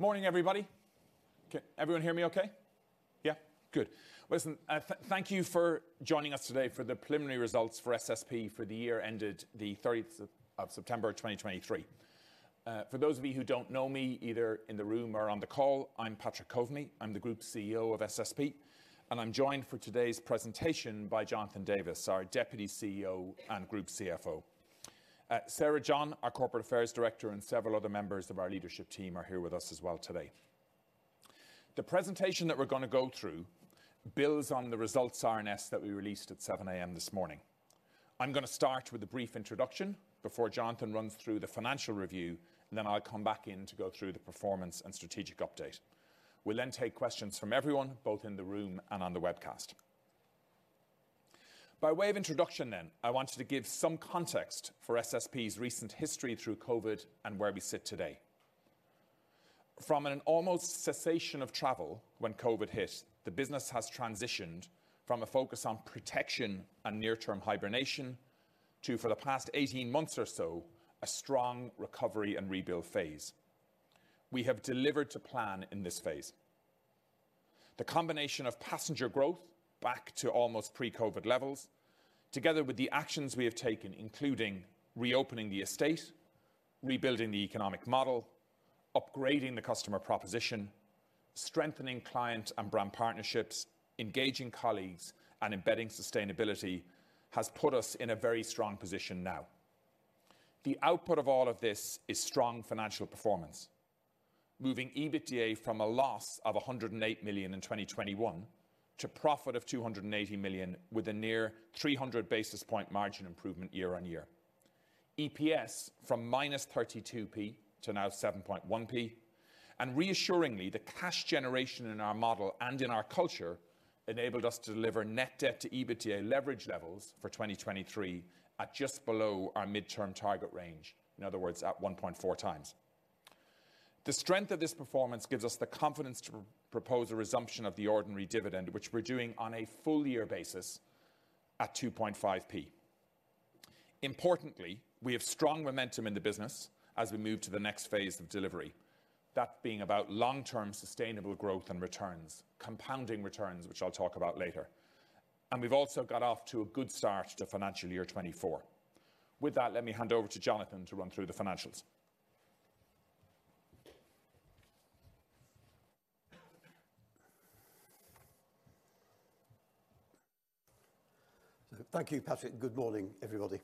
Morning, everybody. Can everyone hear me okay? Yeah? Good. Listen, thank you for joining us today for the preliminary results for SSP for the year ended the thirtieth of September 2023. For those of you who don't know me, either in the room or on the call, I'm Patrick Coveney. I'm the Group CEO of SSP, and I'm joined for today's presentation by Jonathan Davies, our Deputy CEO and Group CFO. Sarah John, our Corporate Affairs Director, and several other members of our leadership team are here with us as well today. The presentation that we're going to go through builds on the results RNS that we released at 7 A.M. this morning. I'm going to start with a brief introduction before Jonathan runs through the financial review, and then I'll come back in to go through the performance and strategic update. We'll then take questions from everyone, both in the room and on the webcast. By way of introduction then, I wanted to give some context for SSP's recent history through COVID and where we sit today. From an almost cessation of travel when COVID hit, the business has transitioned from a focus on protection and near-term hibernation to, for the past 18 months or so, a strong recovery and rebuild phase. We have delivered to plan in this phase. The combination of passenger growth back to almost pre-COVID levels, together with the actions we have taken, including reopening the estate, rebuilding the economic model, upgrading the customer proposition, strengthening client and brand partnerships, engaging colleagues, and embedding sustainability, has put us in a very strong position now. The output of all of this is strong financial performance, moving EBITDA from a loss of 108 million in 2021 to a profit of 280 million with a near 300 basis point margin improvement year-on-year. EPS from -32p to now 7.1p. Reassuringly, the cash generation in our model and in our culture enabled us to deliver net debt to EBITDA leverage levels for 2023 at just below our midterm target range. In other words, at 1.4 times. The strength of this performance gives us the confidence to propose a resumption of the ordinary dividend, which we're doing on a full year basis at 2.5p. Importantly, we have strong momentum in the business as we move to the next phase of delivery, that being about long-term sustainable growth and returns, compounding returns, which I'll talk about later. We've also got off to a good start to financial year 2024. With that, let me hand over to Jonathan to run through the financials. Thank you, Patrick. Good morning, everybody.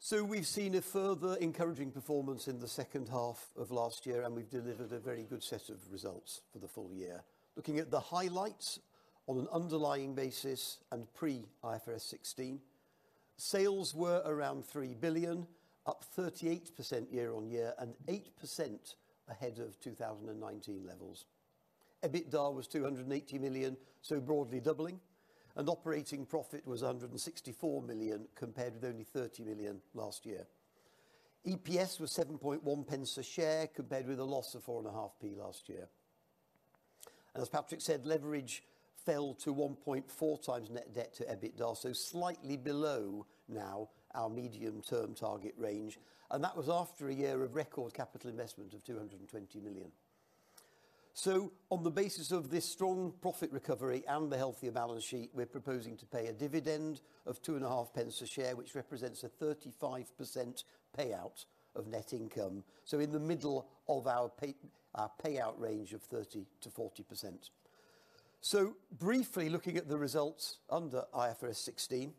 So we've seen a further encouraging performance in the second half of last year, and we've delivered a very good set of results for the full year. Looking at the highlights on an underlying basis and pre-IFRS 16, sales were around 3 billion, up 38% year on year and 8% ahead of 2019 levels. EBITDA was 280 million, so broadly doubling, and operating profit was 164 million, compared with only 30 million last year. EPS was 7.1 pence a share, compared with a loss of 4.5p last year. And as Patrick said, leverage fell to 1.4x net debt to EBITDA, so slightly below now our medium-term target range, and that was after a year of record capital investment of 220 million. On the basis of this strong profit recovery and the healthier balance sheet, we're proposing to pay a dividend of 0.025 per share, which represents a 35% payout of net income, so in the middle of our pay, our payout range of 30%-40%. Briefly looking at the results under IFRS 16,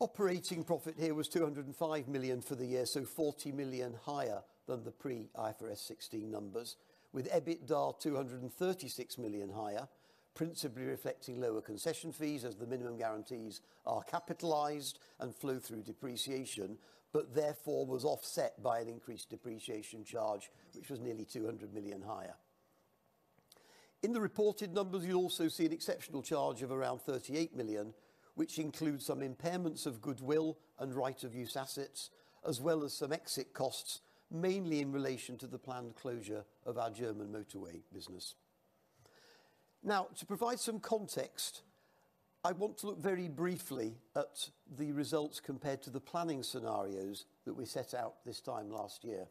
operating profit here was 205 million for the year, so 40 million higher than the pre-IFRS 16 numbers, with EBITDA 236 million higher, principally reflecting lower concession fees as the minimum guarantees are capitalized and flow through depreciation, but therefore was offset by an increased depreciation charge, which was nearly 200 million higher. In the reported numbers, you also see an exceptional charge of around 38 million, which includes some impairments of goodwill and right-of-use assets, as well as some exit costs, mainly in relation to the planned closure of our German motorway business. Now, to provide some context, I want to look very briefly at the results compared to the planning scenarios that we set out this time last year.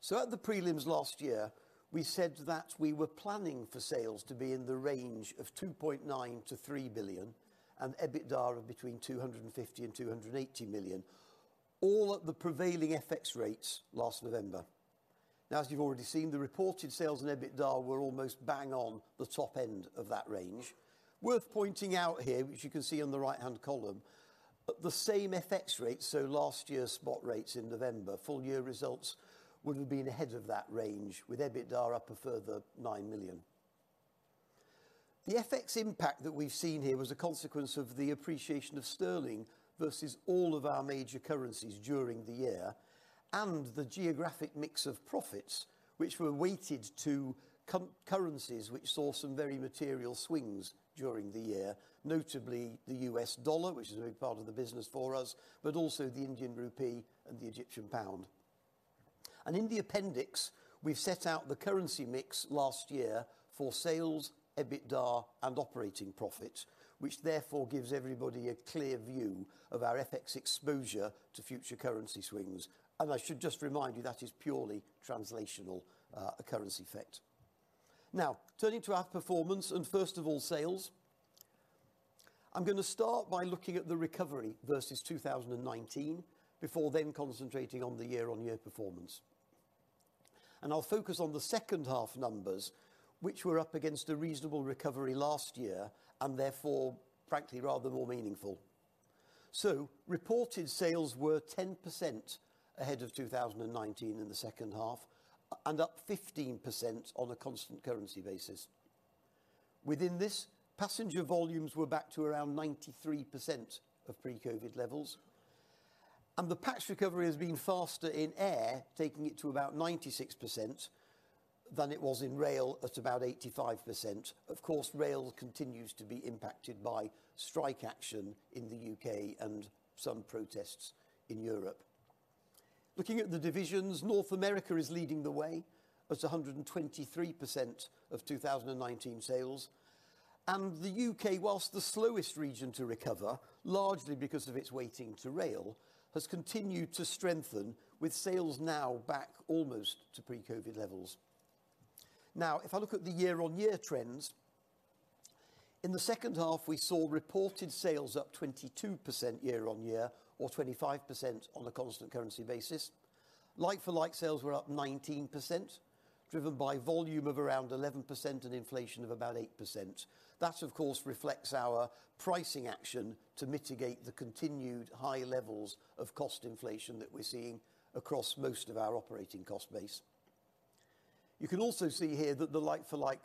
So at the prelims last year, we said that we were planning for sales to be in the range of 2.9 billion-3 billion and EBITDA of between 250 million-280 million, all at the prevailing FX rates last November. Now, as you've already seen, the reported sales and EBITDA were almost bang on the top end of that range. Worth pointing out here, which you can see on the right-hand column, at the same FX rates, so last year's spot rates in November, full year results would have been ahead of that range, with EBITDA up a further 9 million. The FX impact that we've seen here was a consequence of the appreciation of sterling versus all of our major currencies during the year and the geographic mix of profits, which were weighted to currencies, which saw some very material swings during the year, notably the US dollar, which is a big part of the business for us, but also the Indian rupee and the Egyptian pound. In the appendix, we've set out the currency mix last year for sales, EBITDA, and operating profit, which therefore gives everybody a clear view of our FX exposure to future currency swings. I should just remind you, that is purely translational, a currency effect. Now, turning to our performance, and first of all, sales. I'm going to start by looking at the recovery versus 2019 before then concentrating on the year-on-year performance. And I'll focus on the second half numbers, which were up against a reasonable recovery last year and therefore, frankly, rather more meaningful. So reported sales were 10% ahead of 2019 in the second half and up 15% on a constant currency basis. Within this, passenger volumes were back to around 93% of pre-COVID levels, and the patchy recovery has been faster in air, taking it to about 96% than it was in rail at about 85%. Of course, rail continues to be impacted by strike action in the U.K. and some protests in Europe. Looking at the divisions, North America is leading the way at 123% of 2019 sales, and the U.K., whilst the slowest region to recover, largely because of its weighting to rail, has continued to strengthen, with sales now back almost to pre-COVID levels. Now, if I look at the year-on-year trends, in the second half, we saw reported sales up 22% year-on-year or 25% on a constant currency basis. Like-for-like sales were up 19%, driven by volume of around 11% and inflation of about 8%. That, of course, reflects our pricing action to mitigate the continued high levels of cost inflation that we're seeing across most of our operating cost base. You can also see here that the like-for-like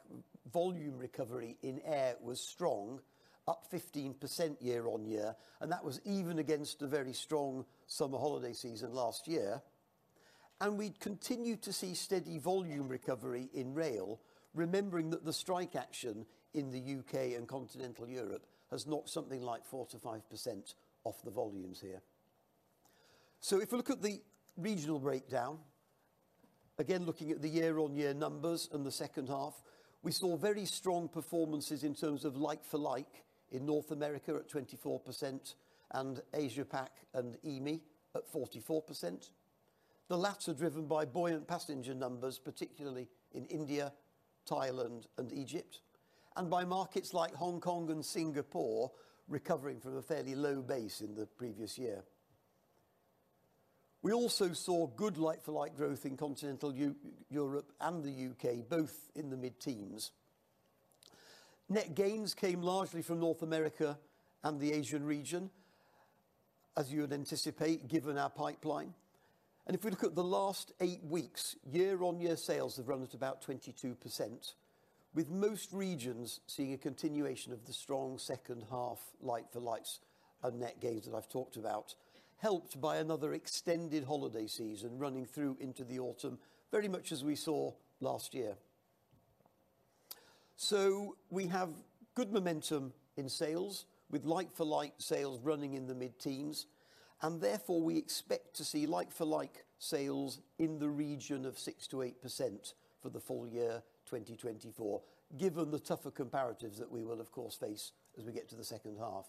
volume recovery in air was strong, up 15% year-on-year, and that was even against a very strong summer holiday season last year. We'd continued to see steady volume recovery in rail, remembering that the strike action in the UK and Continental Europe has knocked something like 4%-5% off the volumes here. If we look at the regional breakdown, again, looking at the year-on-year numbers and the second half, we saw very strong performances in terms of like-for-like in North America at 24% and Asia Pac and EEME at 44%. The latter driven by buoyant passenger numbers, particularly in India, Thailand, and Egypt, and by markets like Hong Kong and Singapore, recovering from a fairly low base in the previous year. We also saw good like-for-like growth in Continental Europe and the UK, both in the mid-teens. Net gains came largely from North America and the Asian region, as you would anticipate, given our pipeline. If we look at the last 8 weeks, year-on-year sales have run at about 22%, with most regions seeing a continuation of the strong second half like-for-likes and net gains that I've talked about, helped by another extended holiday season running through into the autumn, very much as we saw last year. We have good momentum in sales, with like-for-like sales running in the mid-teens, and therefore, we expect to see like-for-like sales in the region of 6%-8% for the full year 2024, given the tougher comparatives that we will, of course, face as we get to the second half.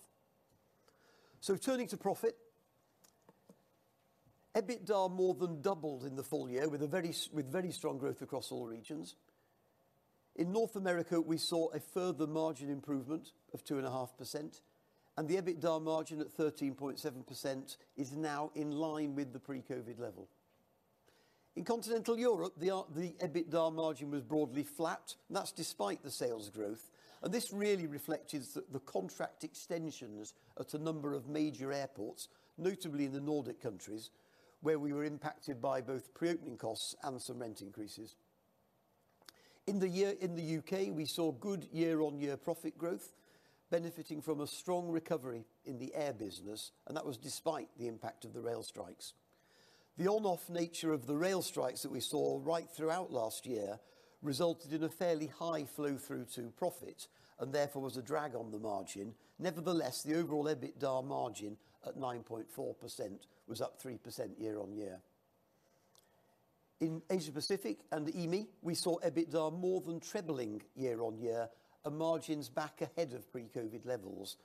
So turning to profit, EBITDA more than doubled in the full year with very strong growth across all regions. In North America, we saw a further margin improvement of 2.5%, and the EBITDA margin at 13.7% is now in line with the pre-COVID level. In Continental Europe, the EBITDA margin was broadly flat, and that's despite the sales growth. And this really reflects the contract extensions at a number of major airports, notably in the Nordic countries, where we were impacted by both pre-opening costs and some rent increases. In the UK, we saw good year-on-year profit growth, benefiting from a strong recovery in the air business, and that was despite the impact of the rail strikes. The on-off nature of the rail strikes that we saw right throughout last year resulted in a fairly high flow through to profit and therefore was a drag on the margin. Nevertheless, the overall EBITDA margin at 9.4% was up 3% year-on-year. In Asia Pacific and EEME, we saw EBITDA more than trebling year-on-year, and margins back ahead of pre-COVID levels,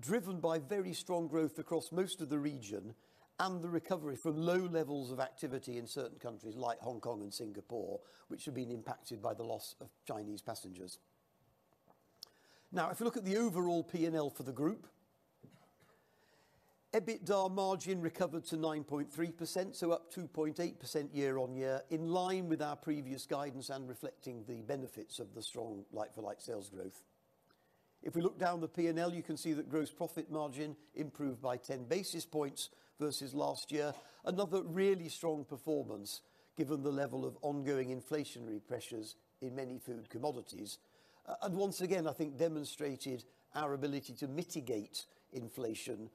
driven by very strong growth across most of the region and the recovery from low levels of activity in certain countries like Hong Kong and Singapore, which have been impacted by the loss of Chinese passengers. Now, if you look at the overall P&L for the group, EBITDA margin recovered to 9.3%, so up 2.8% year-on-year, in line with our previous guidance and reflecting the benefits of the strong like-for-like sales growth. If we look down the P&L, you can see that gross profit margin improved by 10 basis points versus last year. Another really strong performance, given the level of ongoing inflationary pressures in many food commodities. And once again, I think demonstrated our ability to mitigate inflation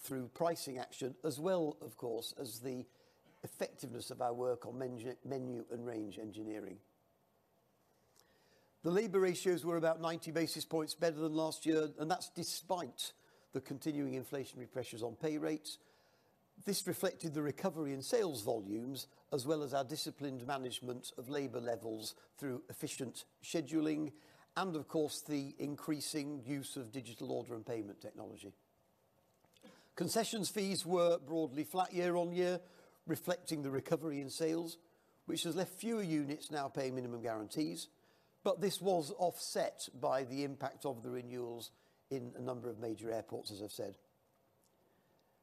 through pricing action, as well, of course, as the effectiveness of our work on menu and range engineering. The labor ratios were about 90 basis points better than last year, and that's despite the continuing inflationary pressures on pay rates. This reflected the recovery in sales volumes, as well as our disciplined management of labor levels through efficient scheduling and, of course, the increasing use of digital order and payment technology. Concessions fees were broadly flat year-on-year, reflecting the recovery in sales, which has left fewer units now paying minimum guarantees, but this was offset by the impact of the renewals in a number of major airports, as I've said.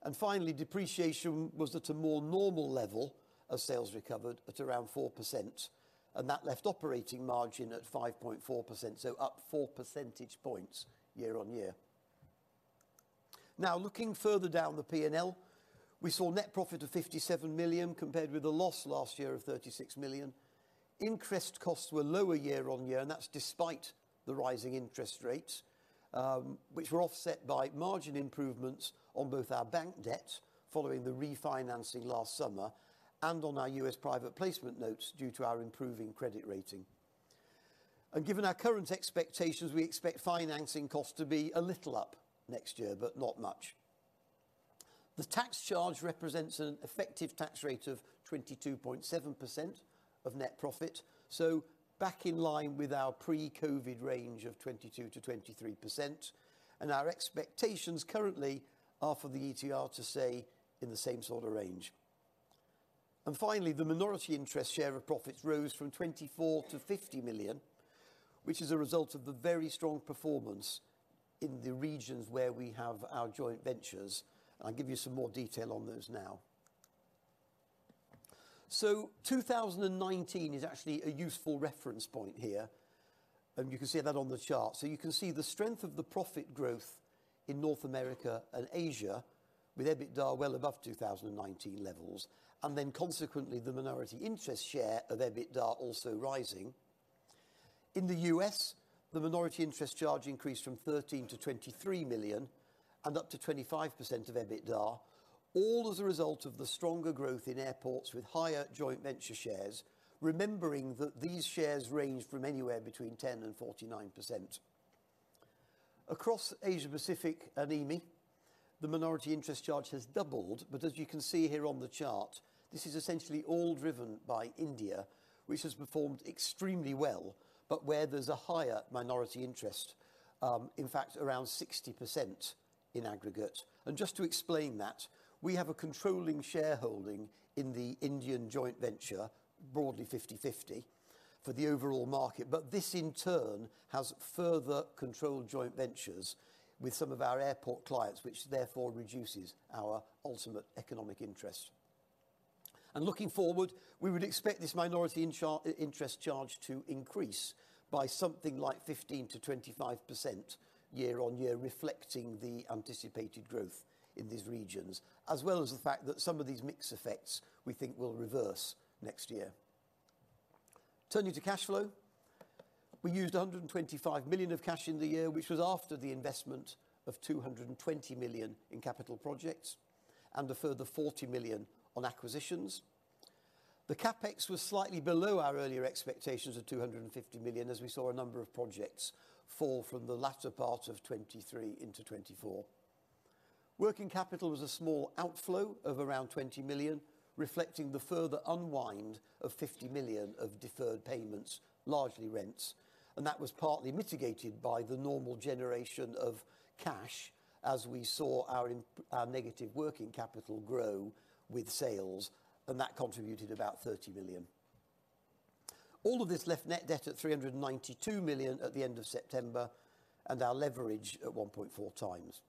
And finally, depreciation was at a more normal level as sales recovered at around 4%, and that left operating margin at 5.4%, so up 4 percentage points year-on-year. Now, looking further down the P&L, we saw net profit of 57 million, compared with a loss last year of 36 million. Interest costs were lower year-on-year, and that's despite the rising interest rates, which were offset by margin improvements on both our bank debt following the refinancing last summer and on our US private placement notes due to our improving credit rating. Given our current expectations, we expect financing costs to be a little up next year, but not much. The tax charge represents an effective tax rate of 22.7% of net profit, so back in line with our pre-COVID range of 22%-23%, and our expectations currently are for the ETR to stay in the same sort of range. Finally, the minority interest share of profits rose from 24 million to 50 million, which is a result of the very strong performance in the regions where we have our joint ventures. I'll give you some more detail on those now. 2019 is actually a useful reference point here, and you can see that on the chart. So you can see the strength of the profit growth in North America and Asia, with EBITDA well above 2019 levels, and then consequently, the minority interest share of EBITDA also rising. In the US, the minority interest charge increased from 13 million to 23 million and up to 25% of EBITDA, all as a result of the stronger growth in airports with higher joint venture shares, remembering that these shares range from anywhere between 10% and 49%. Across Asia-Pacific and EMEA, the minority interest charge has doubled, but as you can see here on the chart, this is essentially all driven by India, which has performed extremely well, but where there's a higher minority interest, in fact, around 60% in aggregate. And just to explain that, we have a controlling shareholding in the Indian joint venture, broadly 50/50 for the overall market, but this in turn has further controlled joint ventures with some of our airport clients, which therefore reduces our ultimate economic interest. Looking forward, we would expect this minority interest charge to increase by something like 15%-25% year-on-year, reflecting the anticipated growth in these regions, as well as the fact that some of these mix effects we think will reverse next year. Turning to cash flow. We used 125 million of cash in the year, which was after the investment of 220 million in capital projects and a further 40 million on acquisitions. The CapEx was slightly below our earlier expectations of 250 million, as we saw a number of projects fall from the latter part of 2023 into 2024. Working capital was a small outflow of around 20 million, reflecting the further unwind of 50 million of deferred payments, largely rents, and that was partly mitigated by the normal generation of cash as we saw our negative working capital grow with sales, and that contributed about 30 million. All of this left net debt at 392 million at the end of September, and our leverage at 1.4 times.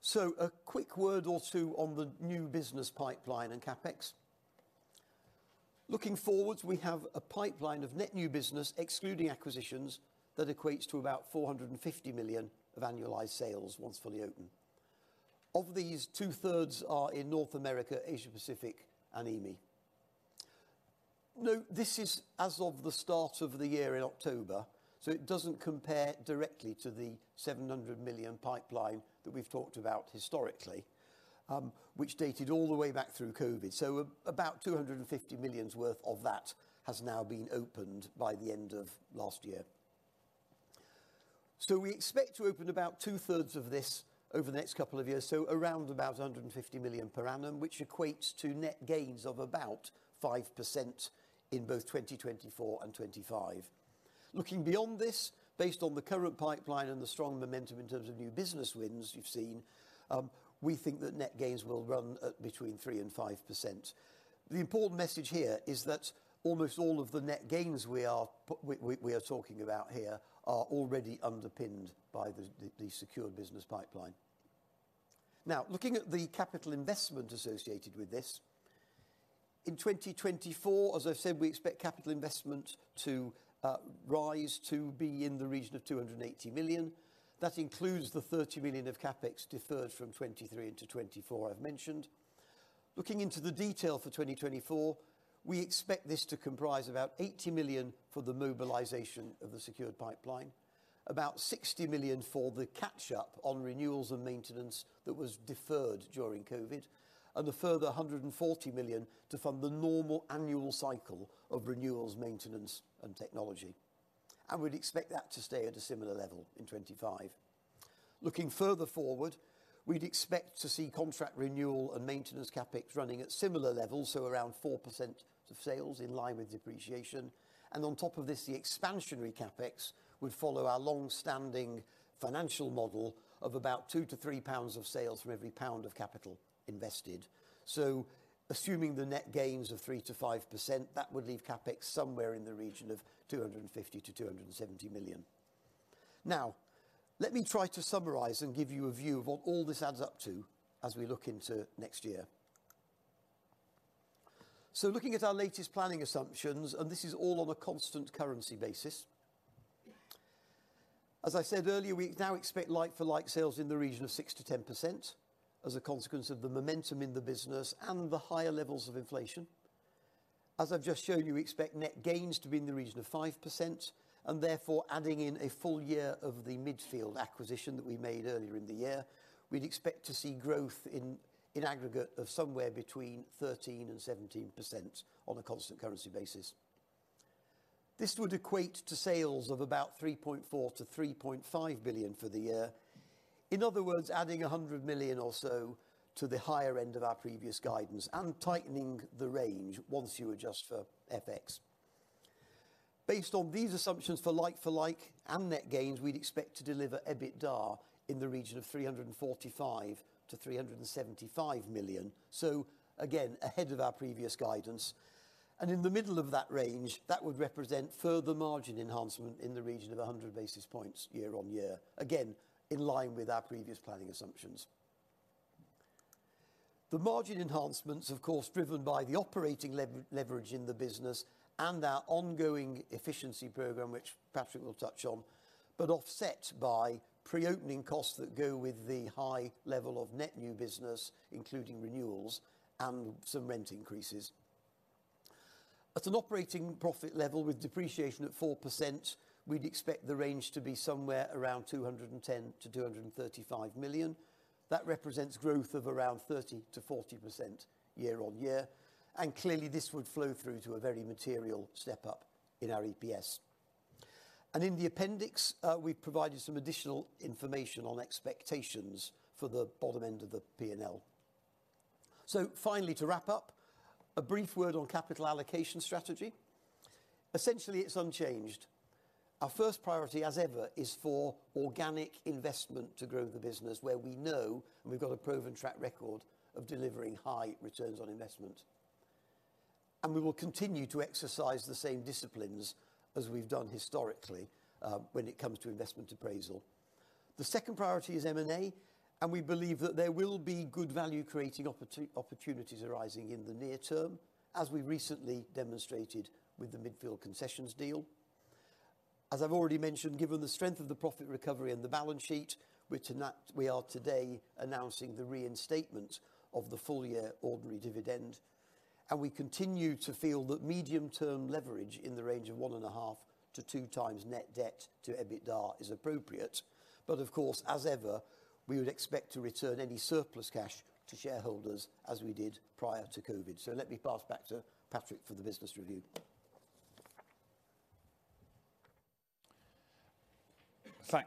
So a quick word or two on the new business pipeline and CapEx. Looking forward, we have a pipeline of net new business, excluding acquisitions, that equates to about 450 million of annualized sales once fully open. Of these, two-thirds are in North America, Asia-Pacific, and EEME. Note, this is as of the start of the year in October, so it doesn't compare directly to the 700 million pipeline that we've talked about historically, which dated all the way back through COVID. So about 250 million's worth of that has now been opened by the end of last year. So we expect to open about two-thirds of this over the next couple of years, so around about 150 million per annum, which equates to net gains of about 5% in both 2024 and 2025. Looking beyond this, based on the current pipeline and the strong momentum in terms of new business wins you've seen, we think that net gains will run at between 3% and 5%. The important message here is that almost all of the net gains we are talking about here are already underpinned by the secured business pipeline. Now, looking at the capital investment associated with this. In 2024, as I've said, we expect capital investment to rise to be in the region of 280 million. That includes the 30 million of CapEx deferred from 2023 into 2024, I've mentioned. Looking into the detail for 2024, we expect this to comprise about 80 million for the mobilization of the secured pipeline, about 60 million for the catch-up on renewals and maintenance that was deferred during COVID, and a further 140 million to fund the normal annual cycle of renewals, maintenance, and technology. And we'd expect that to stay at a similar level in 2025. Looking further forward, we'd expect to see contract renewal and maintenance CapEx running at similar levels, so around 4% of sales in line with depreciation. And on top of this, the expansionary CapEx would follow our long-standing financial model of about 2-3 pounds of sales from every pound of capital invested. So assuming the net gains of 3%-5%, that would leave CapEx somewhere in the region of 250-270 million. Now, let me try to summarize and give you a view of what all this adds up to as we look into next year. So looking at our latest planning assumptions, and this is all on a constant currency basis. As I said earlier, we now expect like-for-like sales in the region of 6%-10% as a consequence of the momentum in the business and the higher levels of inflation. As I've just shown you, we expect net gains to be in the region of 5%, and therefore, adding in a full year of the Midfield acquisition that we made earlier in the year, we'd expect to see growth in aggregate of somewhere between 13%-17% on a constant currency basis. This would equate to sales of about 3.4 billion-3.5 billion for the year. In other words, adding 100 million or so to the higher end of our previous guidance and tightening the range once you adjust for FX. Based on these assumptions for like-for-like and net gains, we'd expect to deliver EBITDA in the region of 345 million-375 million. So again, ahead of our previous guidance, and in the middle of that range, that would represent further margin enhancement in the region of 100 basis points year-on-year. Again, in line with our previous planning assumptions. The margin enhancements, of course, driven by the operating leverage in the business and our ongoing efficiency program, which Patrick will touch on, but offset by pre-opening costs that go with the high level of net new business, including renewals and some rent increases. At an operating profit level with depreciation at 4%, we'd expect the range to be somewhere around 210 million-235 million. That represents growth of around 30%-40% year-on-year, and clearly, this would flow through to a very material step up in our EPS. In the appendix, we've provided some additional information on expectations for the bottom end of the P&L. Finally, to wrap up, a brief word on capital allocation strategy. Essentially, it's unchanged. Our first priority, as ever, is for organic investment to grow the business where we know and we've got a proven track record of delivering high returns on investment. We will continue to exercise the same disciplines as we've done historically, when it comes to investment appraisal. The second priority is M&A, and we believe that there will be good value-creating opportunities arising in the near term, as we recently demonstrated with the Midfield Concessions deal. As I've already mentioned, given the strength of the profit recovery and the balance sheet, we are today announcing the reinstatement of the full-year ordinary dividend, and we continue to feel that medium-term leverage in the range of 1.5-2 times net debt to EBITDA is appropriate. But of course, as ever, we would expect to return any surplus cash to shareholders as we did prior to COVID. So let me pass back to Patrick for the business review.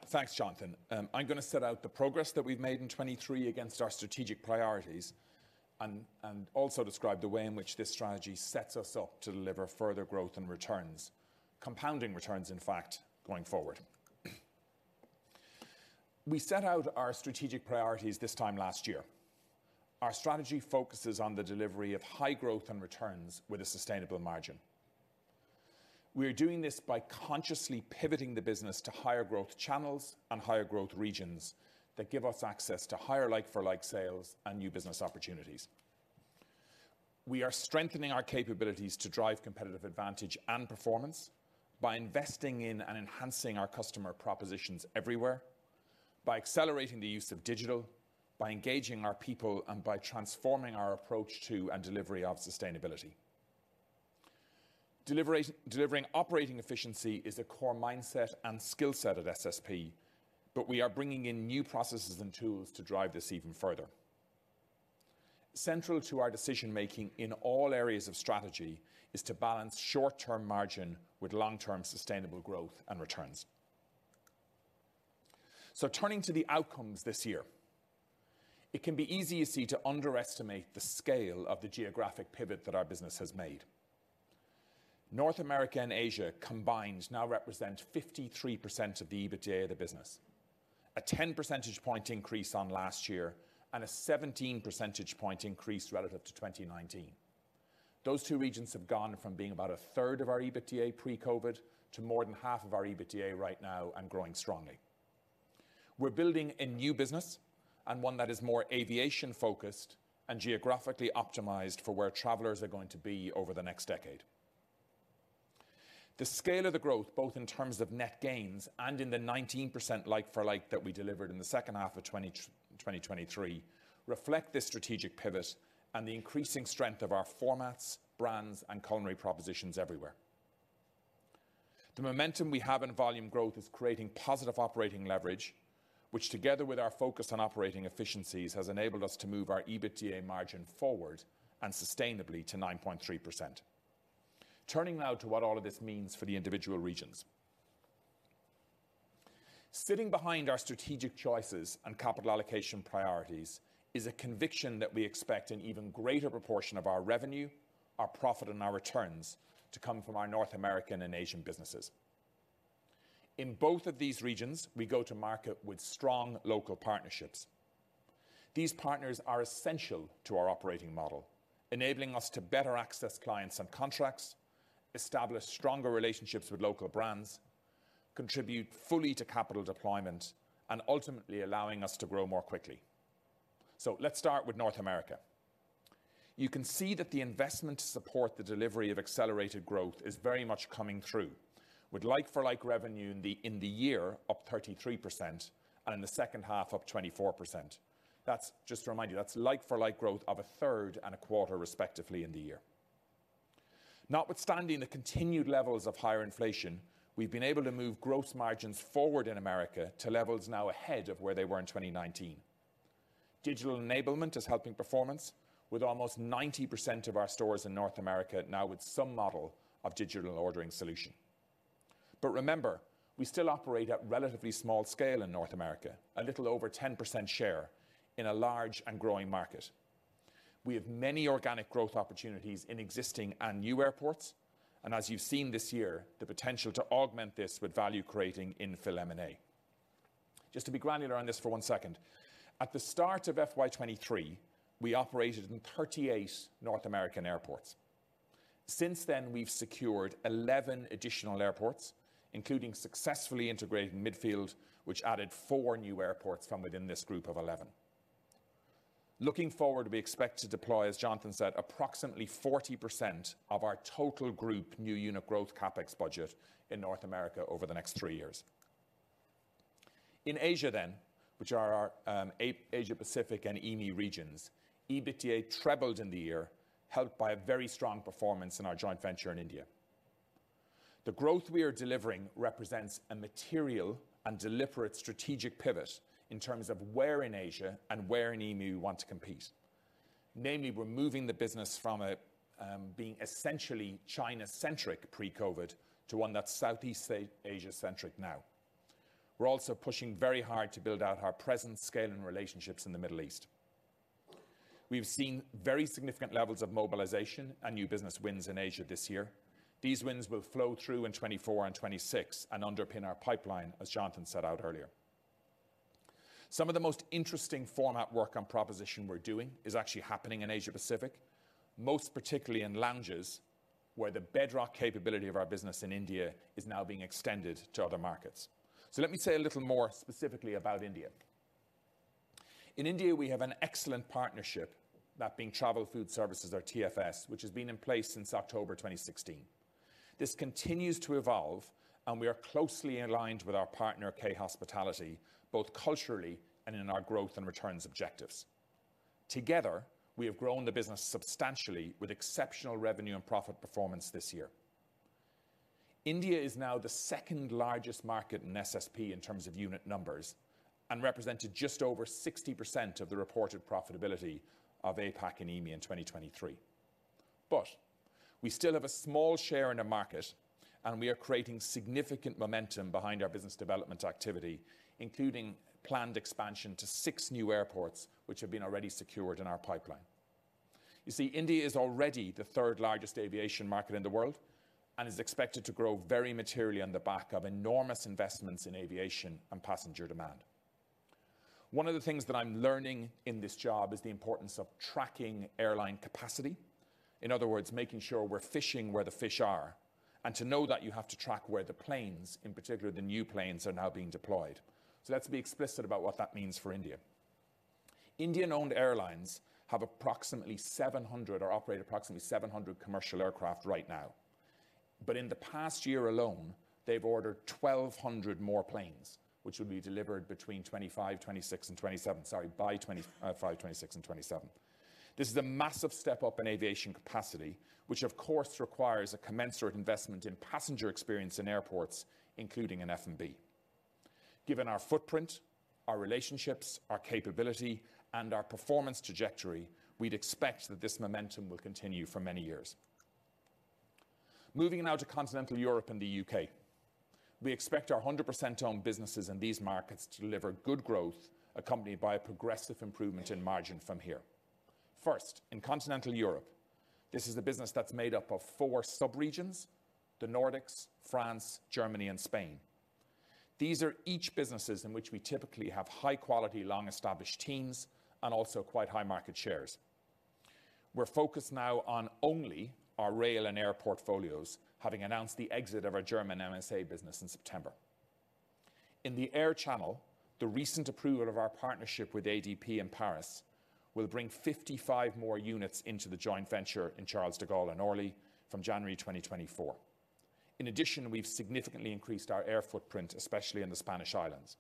Thanks, Jonathan. I'm going to set out the progress that we've made in 2023 against our strategic priorities and also describe the way in which this strategy sets us up to deliver further growth and returns, compounding returns, in fact, going forward. We set out our strategic priorities this time last year. Our strategy focuses on the delivery of high growth and returns with a sustainable margin. We are doing this by consciously pivoting the business to higher growth channels and higher growth regions that give us access to higher like-for-like sales and new business opportunities. We are strengthening our capabilities to drive competitive advantage and performance by investing in and enhancing our customer propositions everywhere, by accelerating the use of digital, by engaging our people, and by transforming our approach to and delivery of sustainability. Delivering operating efficiency is a core mindset and skill set at SSP, but we are bringing in new processes and tools to drive this even further. Central to our decision-making in all areas of strategy is to balance short-term margin with long-term sustainable growth and returns. So turning to the outcomes this year, it can be easy, you see, to underestimate the scale of the geographic pivot that our business has made. North America and Asia combined now represent 53% of the EBITDA of the business, a 10 percentage point increase on last year and a 17 percentage point increase relative to 2019. Those two regions have gone from being about a third of our EBITDA pre-COVID, to more than half of our EBITDA right now and growing strongly. We're building a new business and one that is more aviation-focused and geographically optimized for where travelers are going to be over the next decade. The scale of the growth, both in terms of net gains and in the 19% like-for-like, that we delivered in the second half of 2023, reflect this strategic pivot and the increasing strength of our formats, brands, and culinary propositions everywhere. The momentum we have in volume growth is creating positive operating leverage, which, together with our focus on operating efficiencies, has enabled us to move our EBITDA margin forward and sustainably to 9.3%. Turning now to what all of this means for the individual regions. Sitting behind our strategic choices and capital allocation priorities is a conviction that we expect an even greater proportion of our revenue, our profit, and our returns to come from our North American and Asian businesses. In both of these regions, we go to market with strong local partnerships. These partners are essential to our operating model, enabling us to better access clients and contracts, establish stronger relationships with local brands, contribute fully to capital deployment, and ultimately allowing us to grow more quickly. So let's start with North America. You can see that the investment to support the delivery of accelerated growth is very much coming through with like-for-like revenue in the, in the year, up 33% and in the second half, up 24%. That's, just to remind you, that's like for like growth of a third and a quarter, respectively, in the year. Notwithstanding the continued levels of higher inflation, we've been able to move gross margins forward in America to levels now ahead of where they were in 2019. Digital enablement is helping performance, with almost 90% of our stores in North America now with some model of digital ordering solution. But remember, we still operate at relatively small scale in North America, a little over 10% share in a large and growing market. We have many organic growth opportunities in existing and new airports, and as you've seen this year, the potential to augment this with value-creating in-fill M&A. Just to be granular on this for one second, at the start of FY 2023, we operated in 38 North American airports. Since then, we've secured 11 additional airports, including successfully integrating Midfield, which added 4 new airports from within this group of 11. Looking forward, we expect to deploy, as Jonathan said, approximately 40% of our total group new unit growth CapEx budget in North America over the next three years. In Asia then, which are our Asia Pacific and EEME regions, EBITDA trebled in the year, helped by a very strong performance in our joint venture in India. The growth we are delivering represents a material and deliberate strategic pivot in terms of where in Asia and where in EEME we want to compete. Namely, we're moving the business from being essentially China-centric pre-COVID to one that's Southeast Asia-centric now. We're also pushing very hard to build out our presence, scale, and relationships in the Middle East. We've seen very significant levels of mobilization and new business wins in Asia this year. These wins will flow through in 2024 and 2026 and underpin our pipeline, as Jonathan set out earlier. Some of the most interesting format work and proposition we're doing is actually happening in Asia Pacific, most particularly in lounges, where the bedrock capability of our business in India is now being extended to other markets. So let me say a little more specifically about India. In India, we have an excellent partnership, that being Travel Food Services or TFS, which has been in place since October 2016. This continues to evolve, and we are closely aligned with our partner, K Hospitality, both culturally and in our growth and returns objectives. Together, we have grown the business substantially with exceptional revenue and profit performance this year. India is now the second largest market in SSP in terms of unit numbers and represented just over 60% of the reported profitability of APAC and EEME in 2023. But we still have a small share in the market, and we are creating significant momentum behind our business development activity, including planned expansion to 6 new airports, which have been already secured in our pipeline. You see, India is already the third largest aviation market in the world and is expected to grow very materially on the back of enormous investments in aviation and passenger demand. One of the things that I'm learning in this job is the importance of tracking airline capacity. In other words, making sure we're fishing where the fish are, and to know that, you have to track where the planes, in particular, the new planes, are now being deployed. So let's be explicit about what that means for India. Indian-owned airlines have approximately 700, or operate approximately 700 commercial aircraft right now, but in the past year alone, they've ordered 1,200 more planes, which will be delivered between 2025, 2026, and 2027. Sorry, by twenty-five, twenty-six, and twenty-seven. This is a massive step up in aviation capacity, which of course, requires a commensurate investment in passenger experience in airports, including in F&B. Given our footprint, our relationships, our capability, and our performance trajectory, we'd expect that this momentum will continue for many years. Moving now to Continental Europe and the UK, we expect our 100% owned businesses in these markets to deliver good growth, accompanied by a progressive improvement in margin from here. First, in Continental Europe, this is a business that's made up of four sub-regions: the Nordics, France, Germany, and Spain. These are each businesses in which we typically have high-quality, long-established teams and also quite high market shares. We're focused now on only our rail and air portfolios, having announced the exit of our German MSA business in September. In the air channel, the recent approval of our partnership with ADP in Paris will bring 55 more units into the joint venture in Charles de Gaulle and Orly from January 2024. In addition, we've significantly increased our air footprint, especially in the Spanish islands.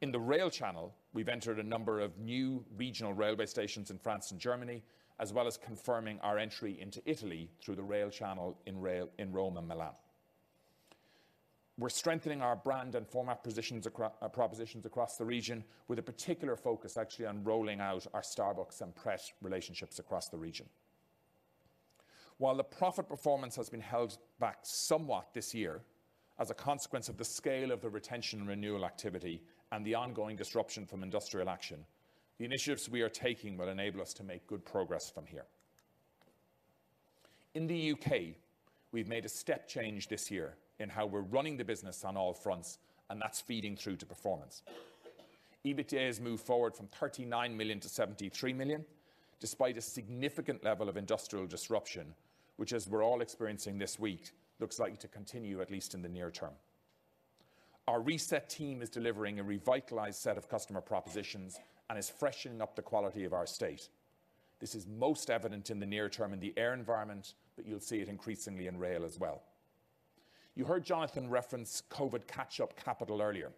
In the rail channel, we've entered a number of new regional railway stations in France and Germany, as well as confirming our entry into Italy through the rail channel in Rome and Milan. We're strengthening our brand and format positions across propositions across the region, with a particular focus, actually, on rolling out our Starbucks and Pret relationships across the region. While the profit performance has been held back somewhat this year as a consequence of the scale of the retention and renewal activity and the ongoing disruption from industrial action, the initiatives we are taking will enable us to make good progress from here. In the UK, we've made a step change this year in how we're running the business on all fronts, and that's feeding through to performance. EBITDA has moved forward from 39 million to 73 million, despite a significant level of industrial disruption, which, as we're all experiencing this week, looks likely to continue at least in the near term. Our reset team is delivering a revitalized set of customer propositions and is freshening up the quality of our estate. This is most evident in the near term in the air environment, but you'll see it increasingly in rail as well. You heard Jonathan reference COVID catch-up capital earlier,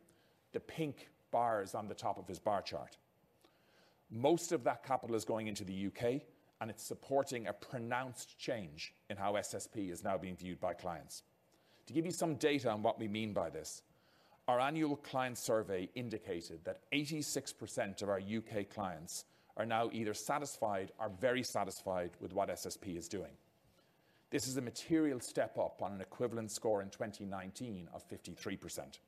the pink bars on the top of his bar chart. Most of that capital is going into the UK, and it's supporting a pronounced change in how SSP is now being viewed by clients. To give you some data on what we mean by this, our annual client survey indicated that 86% of our UK clients are now either satisfied or very satisfied with what SSP is doing. This is a material step up on an equivalent score in 2019 of 53%.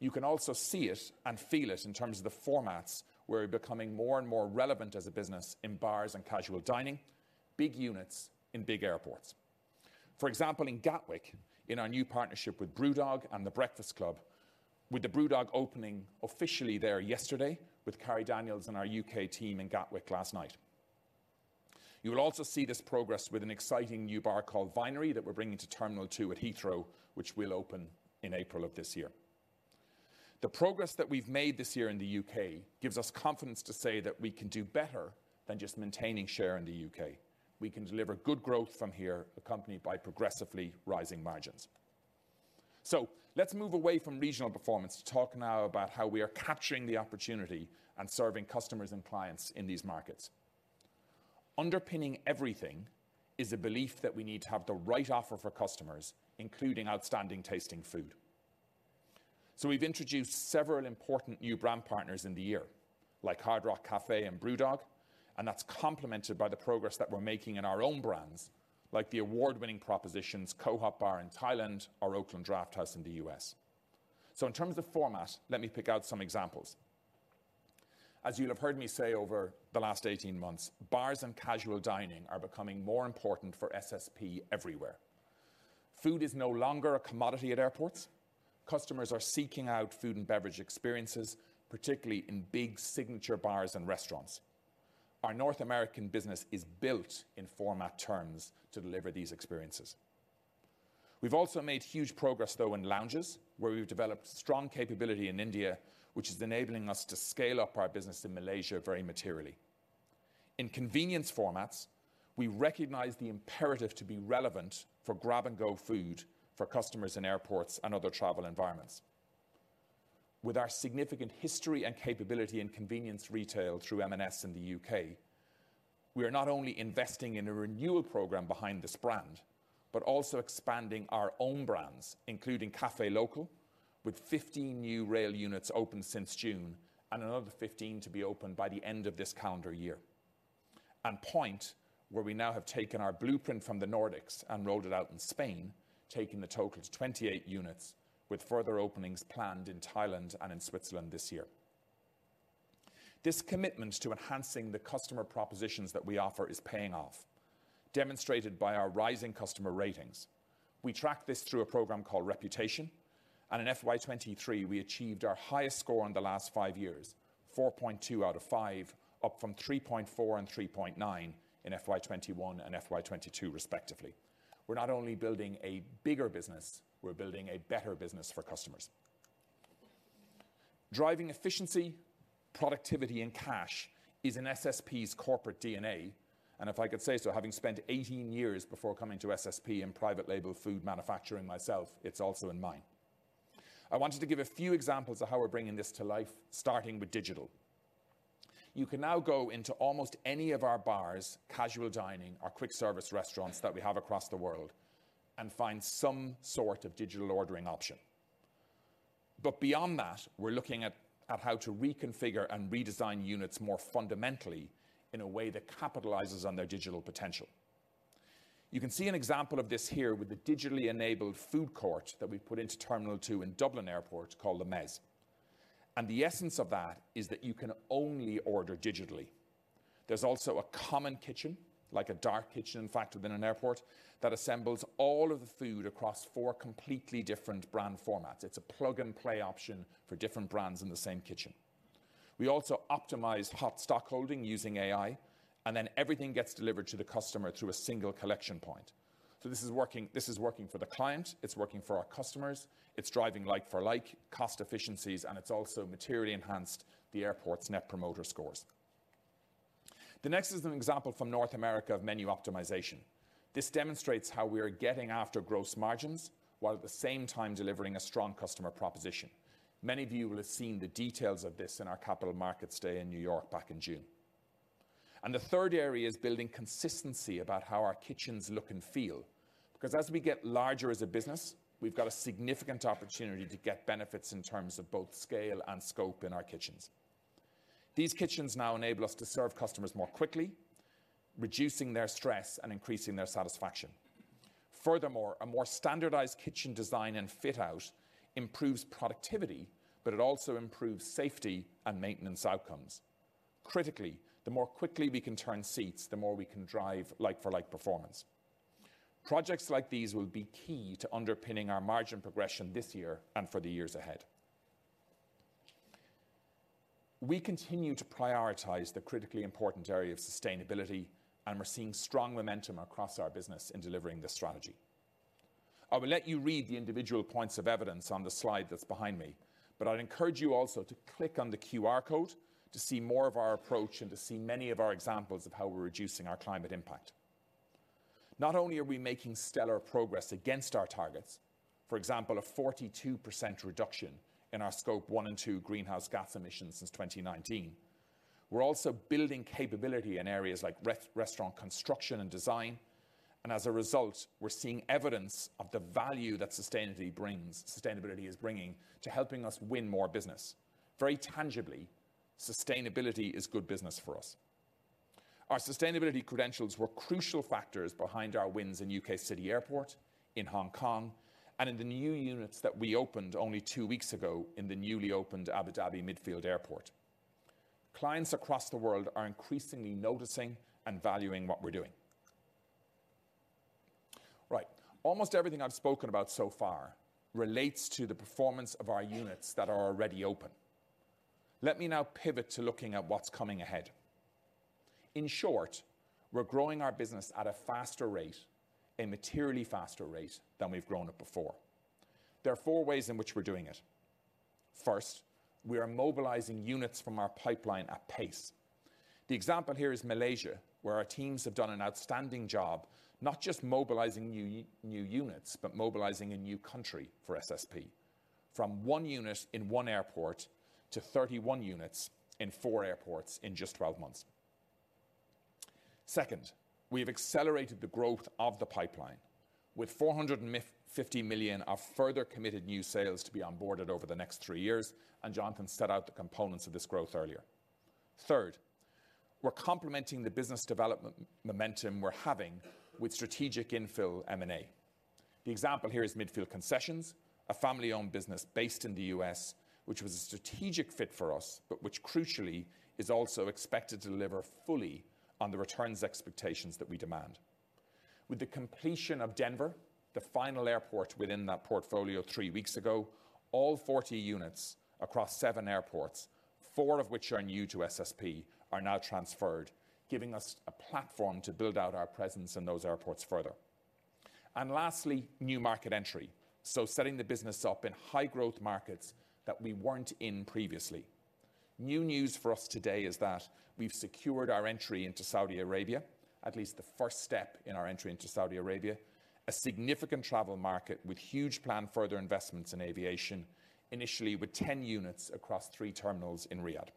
You can also see it and feel it in terms of the formats, where we're becoming more and more relevant as a business in bars and casual dining, big units in big airports. For example, in Gatwick, in our new partnership with BrewDog and The Breakfast Club, with the BrewDog opening officially there yesterday, with Kari Daniels and our UK team in Gatwick last night. You will also see this progress with an exciting new bar called Vinery that we're bringing to Terminal 2 at Heathrow, which will open in April of this year. The progress that we've made this year in the UK gives us confidence to say that we can do better than just maintaining share in the UK. We can deliver good growth from here, accompanied by progressively rising margins. So let's move away from regional performance to talk now about how we are capturing the opportunity and serving customers and clients in these markets. Underpinning everything is a belief that we need to have the right offer for customers, including outstanding tasting food. So we've introduced several important new brand partners in the year, like Hard Rock Cafe and BrewDog, and that's complemented by the progress that we're making in our own brands, like the award-winning propositions, Koh Hop Bar in Thailand or Oakland Draft House in the U.S. So in terms of format, let me pick out some examples. As you'll have heard me say over the last 18 months, bars and casual dining are becoming more important for SSP everywhere. Food is no longer a commodity at airports. Customers are seeking out food and beverage experiences, particularly in big signature bars and restaurants. Our North American business is built in format terms to deliver these experiences. We've also made huge progress, though, in lounges, where we've developed strong capability in India, which is enabling us to scale up our business in Malaysia very materially. In convenience formats, we recognize the imperative to be relevant for grab-and-go food for customers in airports and other travel environments. With our significant history and capability in convenience retail through M&S in the UK, we are not only investing in a renewal program behind this brand, but also expanding our own brands, including Cafe Local, with 15 new rail units opened since June and another 15 to be opened by the end of this calendar year. And Point, where we now have taken our blueprint from the Nordics and rolled it out in Spain, taking the total to 28 units, with further openings planned in Thailand and in Switzerland this year. This commitment to enhancing the customer propositions that we offer is paying off, demonstrated by our rising customer ratings. We track this through a program called Reputation, and in FY 2023, we achieved our highest score in the last five years, 4.2 out of 5, up from 3.4 and 3.9 in FY 2021 and FY 2022, respectively. We're not only building a bigger business, we're building a better business for customers. Driving efficiency, productivity, and cash is in SSP's corporate DNA, and if I could say so, having spent 18 years before coming to SSP in private label food manufacturing myself, it's also in mine. I wanted to give a few examples of how we're bringing this to life, starting with digital. You can now go into almost any of our bars, casual dining, or quick-service restaurants that we have across the world and find some sort of digital ordering option. But beyond that, we're looking at how to reconfigure and redesign units more fundamentally in a way that capitalizes on their digital potential. You can see an example of this here with the digitally enabled food court that we've put into Terminal 2 in Dublin Airport, called The Mezz. And the essence of that is that you can only order digitally. There's also a common kitchen, like a dark kitchen, in fact, within an airport, that assembles all of the food across four completely different brand formats. It's a plug-and-play option for different brands in the same kitchen. We also optimize hot stock holding using AI, and then everything gets delivered to the customer through a single collection point. So this is working, this is working for the client, it's working for our customers, it's driving like-for-like cost efficiencies, and it's also materially enhanced the airport's Net Promoter Scores. The next is an example from North America of menu optimization. This demonstrates how we are getting after gross margins, while at the same time delivering a strong customer proposition. Many of you will have seen the details of this in our Capital Markets Day in New York back in June... The third area is building consistency about how our kitchens look and feel. Because as we get larger as a business, we've got a significant opportunity to get benefits in terms of both scale and scope in our kitchens. These kitchens now enable us to serve customers more quickly, reducing their stress and increasing their satisfaction. Furthermore, a more standardized kitchen design and fit-out improves productivity, but it also improves safety and maintenance outcomes. Critically, the more quickly we can turn seats, the more we can drive like-for-like performance. Projects like these will be key to underpinning our margin progression this year and for the years ahead. We continue to prioritize the critically important area of sustainability, and we're seeing strong momentum across our business in delivering this strategy. I will let you read the individual points of evidence on the slide that's behind me, but I'd encourage you also to click on the QR code to see more of our approach and to see many of our examples of how we're reducing our climate impact. Not only are we making stellar progress against our targets, for example, a 42% reduction in our Scope 1 and 2 greenhouse gas emissions since 2019, we're also building capability in areas like restaurant construction and design, and as a result, we're seeing evidence of the value that sustainability brings. Sustainability is bringing to helping us win more business. Very tangibly, sustainability is good business for us. Our sustainability credentials were crucial factors behind our wins in UK City Airport, in Hong Kong, and in the new units that we opened only two weeks ago in the newly opened Abu Dhabi Midfield Airport. Clients across the world are increasingly noticing and valuing what we're doing. Right. Almost everything I've spoken about so far relates to the performance of our units that are already open. Let me now pivot to looking at what's coming ahead. In short, we're growing our business at a faster rate, a materially faster rate than we've grown it before. There are four ways in which we're doing it. First, we are mobilizing units from our pipeline at pace. The example here is Malaysia, where our teams have done an outstanding job, not just mobilizing new units, but mobilizing a new country for SSP. From one unit in one airport to 31 units in four airports in just 12 months. Second, we have accelerated the growth of the pipeline with 450 million of further committed new sales to be onboarded over the next three years, and Jonathan set out the components of this growth earlier. Third, we're complementing the business development momentum we're having with strategic infill M&A. The example here is Midfield Concessions, a family-owned business based in the U.S., which was a strategic fit for us, but which crucially is also expected to deliver fully on the returns expectations that we demand. With the completion of Denver, the final airport within that portfolio three weeks ago, all 40 units across seven airports, four of which are new to SSP, are now transferred, giving us a platform to build out our presence in those airports further. Lastly, new market entry. Setting the business up in high-growth markets that we weren't in previously. New news for us today is that we've secured our entry into Saudi Arabia, at least the first step in our entry into Saudi Arabia, a significant travel market with huge planned further investments in aviation, initially with 10 units across 3 terminals in Riyadh.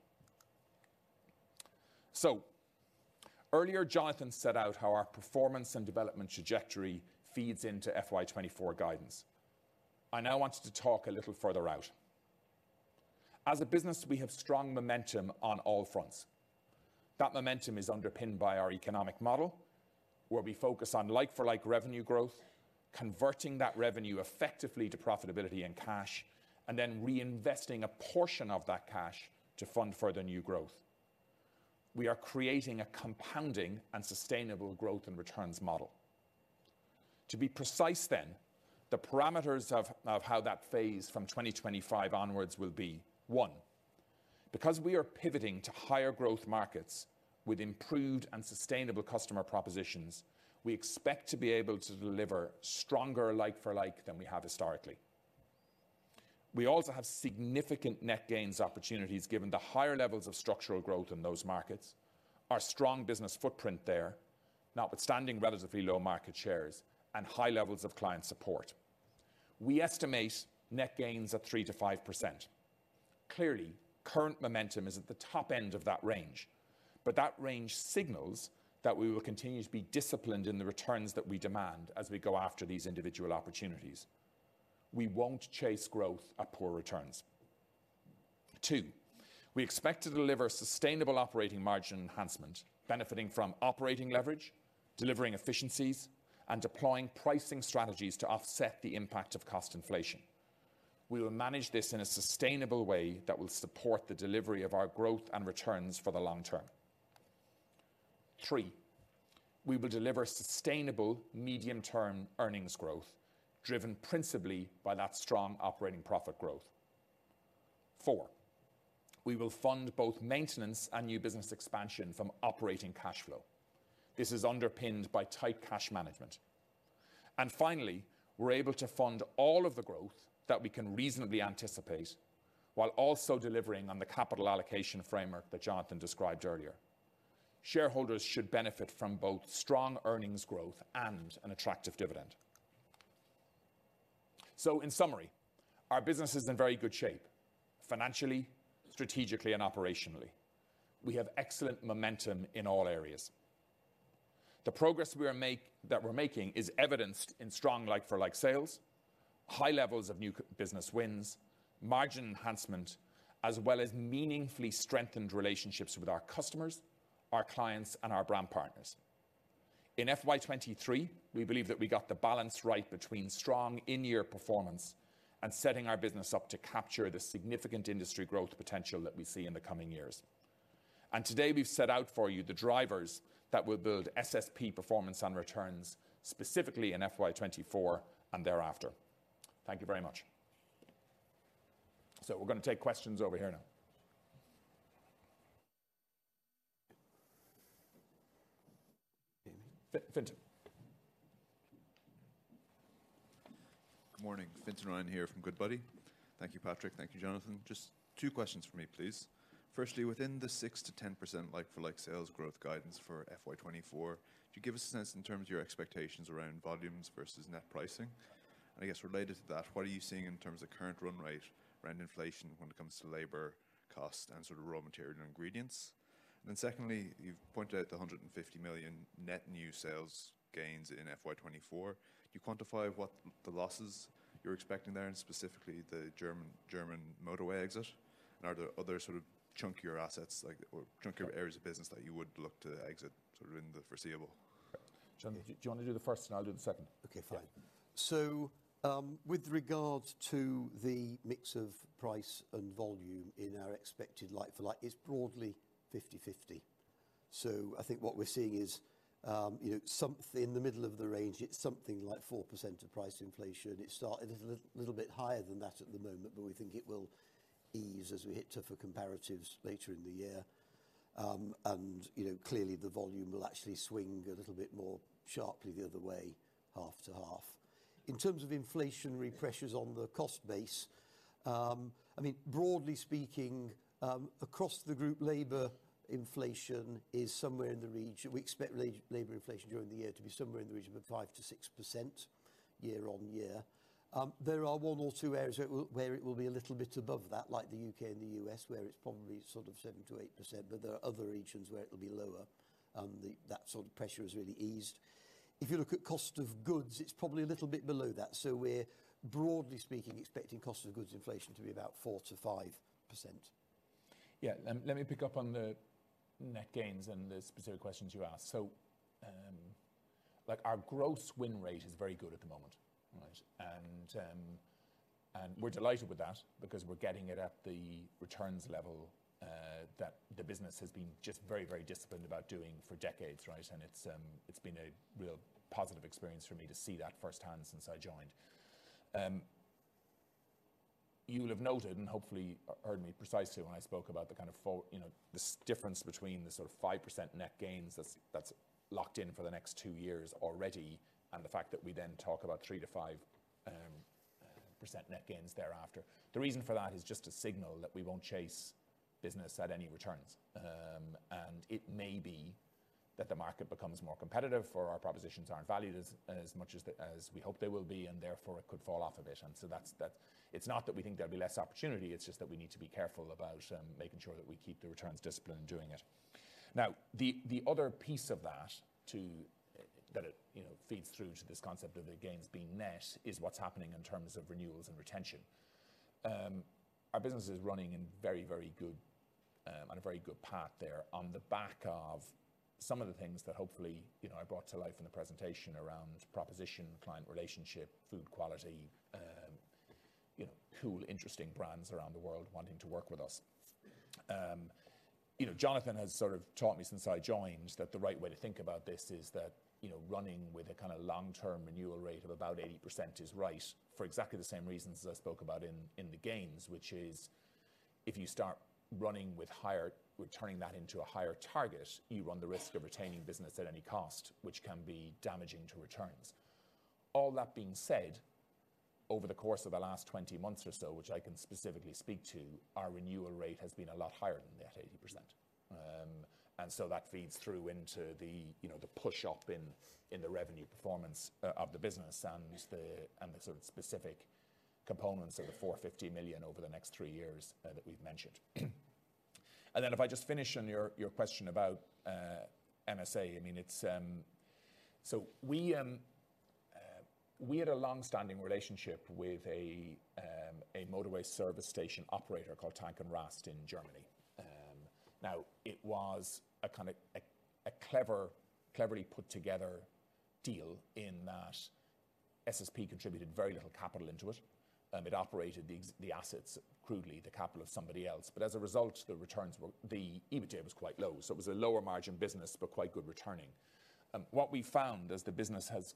Earlier, Jonathan set out how our performance and development trajectory feeds into FY 2024 guidance. I now want to talk a little further out. As a business, we have strong momentum on all fronts. That momentum is underpinned by our economic model, where we focus on like-for-like revenue growth, converting that revenue effectively to profitability and cash, and then reinvesting a portion of that cash to fund further new growth. We are creating a compounding and sustainable growth and returns model. To be precise then, the parameters of how that phase from 2025 onwards will be, one, because we are pivoting to higher growth markets with improved and sustainable customer propositions, we expect to be able to deliver stronger like-for-like than we have historically. We also have significant net gains opportunities given the higher levels of structural growth in those markets, our strong business footprint there, notwithstanding relatively low market shares and high levels of client support. We estimate net gains of 3%-5%. Clearly, current momentum is at the top end of that range, but that range signals that we will continue to be disciplined in the returns that we demand as we go after these individual opportunities. We won't chase growth at poor returns. Two, we expect to deliver sustainable operating margin enhancement, benefiting from operating leverage, delivering efficiencies, and deploying pricing strategies to offset the impact of cost inflation. We will manage this in a sustainable way that will support the delivery of our growth and returns for the long term. Three, we will deliver sustainable medium-term earnings growth, driven principally by that strong operating profit growth. Four, we will fund both maintenance and new business expansion from operating cash flow. This is underpinned by tight cash management. And finally, we're able to fund all of the growth that we can reasonably anticipate, while also delivering on the capital allocation framework that Jonathan described earlier. Shareholders should benefit from both strong earnings growth and an attractive dividend. So in summary, our business is in very good shape, financially, strategically, and operationally. We have excellent momentum in all areas. The progress we are making is evidenced in strong like-for-like sales, high levels of new business wins, margin enhancement, as well as meaningfully strengthened relationships with our customers, our clients, and our brand partners. In FY 2023, we believe that we got the balance right between strong in-year performance and setting our business up to capture the significant industry growth potential that we see in the coming years. Today, we've set out for you the drivers that will build SSP performance and returns, specifically in FY 2024 and thereafter. Thank you very much. We're gonna take questions over here now. Fintan? Good morning. Fintan Ryan here from Goodbody. Thank you, Patrick. Thank you, Jonathan. Just two questions for me, please. Firstly, within the 6%-10% like-for-like sales growth guidance for FY 2024, could you give us a sense in terms of your expectations around volumes versus net pricing? And I guess related to that, what are you seeing in terms of current run rate around inflation when it comes to labor cost and sort of raw material and ingredients? And then secondly, you've pointed out the 150 million net new sales gains in FY 2024. Could you quantify what the losses you're expecting there, and specifically the German, German motorway exit? And are there other sort of chunkier assets like, or chunkier areas of business that you would look to exit sort of in the foreseeable? John, do you wanna do the first and I'll do the second? Okay, fine. Yeah. So, with regards to the mix of price and volume in our expected like-for-like, it's broadly 50/50. So I think what we're seeing is, you know, in the middle of the range, it's something like 4% of price inflation. It started a little bit higher than that at the moment, but we think it will ease as we hit tougher comparatives later in the year. And, you know, clearly, the volume will actually swing a little bit more sharply the other way, half to half. In terms of inflationary pressures on the cost base, I mean, broadly speaking, across the group, labor inflation is somewhere in the region. We expect labor inflation during the year to be somewhere in the region of 5%-6% year-on-year. There are one or two areas where it will be a little bit above that, like the UK and the US, where it's probably sort of 7%-8%, but there are other regions where it'll be lower, and that sort of pressure has really eased. If you look at cost of goods, it's probably a little bit below that, so we're, broadly speaking, expecting cost of goods inflation to be about 4%-5%. Yeah. Let me pick up on the net gains and the specific questions you asked. So, like, our gross win rate is very good at the moment, right? And we're delighted with that because we're getting it at the returns level that the business has been just very, very disciplined about doing for decades, right? And it's been a real positive experience for me to see that firsthand since I joined. You'll have noted, and hopefully heard me precisely when I spoke about the kind of four, you know, this difference between the sort of 5% net gains that's locked in for the next 2 years already, and the fact that we then talk about 3%-5% net gains thereafter. The reason for that is just a signal that we won't chase business at any returns. And it may be that the market becomes more competitive, or our propositions aren't valued as much as we hope they will be, and therefore, it could fall off a bit. And so that's. It's not that we think there'll be less opportunity, it's just that we need to be careful about making sure that we keep the returns discipline in doing it. Now, the other piece of that, you know, feeds through to this concept of the gains being net is what's happening in terms of renewals and retention. Our business is running in very, very good, on a very good path there, on the back of some of the things that hopefully, you know, I brought to life in the presentation around proposition, client relationship, food quality, you know, cool, interesting brands around the world wanting to work with us. You know, Jonathan has sort of taught me since I joined, that the right way to think about this is that, you know, running with a kind of long-term renewal rate of about 80% is right for exactly the same reasons as I spoke about in the gains, which is if you start running with higher, returning that into a higher target, you run the risk of retaining business at any cost, which can be damaging to returns. All that being said, over the course of the last 20 months or so, which I can specifically speak to, our renewal rate has been a lot higher than that 80%. And so that feeds through into the, you know, the push-up in the revenue performance of the business and the sort of specific components of the £450 million over the next three years that we've mentioned. And then if I just finish on your question about MSA, I mean, it's... So we had a long-standing relationship with a motorway service station operator called Tank & Rast in Germany. Now, it was a kind of a cleverly put together deal in that SSP contributed very little capital into it, and it operated the assets, crudely, the capital of somebody else. But as a result, the returns were the EBITDA was quite low, so it was a lower margin business, but quite good returning. What we found as the business has,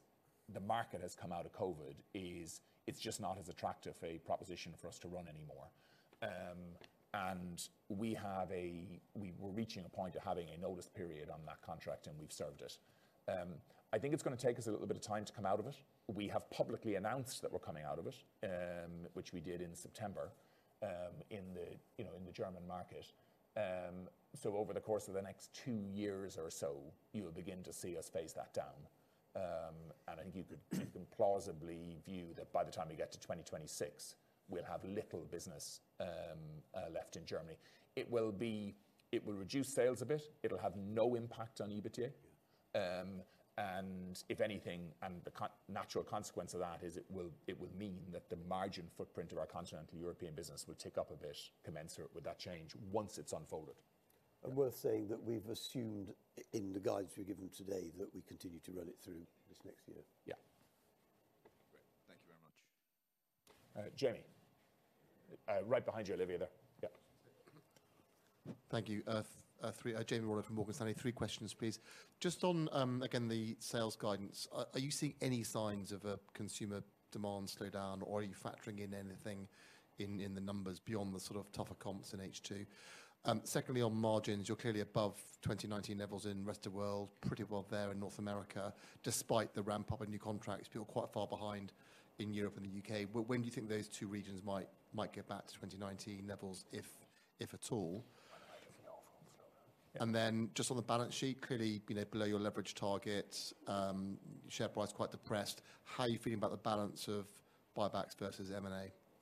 the market has come out of COVID, is it's just not as attractive a proposition for us to run anymore. And we're reaching a point of having a notice period on that contract, and we've served it. I think it's gonna take us a little bit of time to come out of it. We have publicly announced that we're coming out of it... which we did in September, in the, you know, in the German market. So over the course of the next two years or so, you'll begin to see us phase that down. And I think you could plausibly view that by the time we get to 2026, we'll have little business left in Germany. It will reduce sales a bit. It'll have no impact on EBITDA. And if anything, the natural consequence of that is it will mean that the margin footprint of our Continental European business will tick up a bit, commensurate with that change once it's unfolded. Worth saying that we've assumed in the guidance we've given today, that we continue to run it through this next year. Yeah. Great. Thank you very much. Jamie. Right behind you, Olivia, there. Yeah. Thank you. Jamie Woodward from Morgan Stanley. Three questions, please. Just on, again, the sales guidance, are you seeing any signs of a consumer demand slowdown, or are you factoring in anything in the numbers beyond the sort of tougher comps in H2? Secondly, on margins, you're clearly above 2019 levels in the Rest of World, pretty well there in North America, despite the ramp-up in new contracts, feel quite far behind in Europe and the UK. Well, when do you think those two regions might get back to 2019 levels, if at all? I think... Just on the balance sheet, clearly, you know, below your leverage targets, share price quite depressed. How are you feeling about the balance of buybacks versus M&A?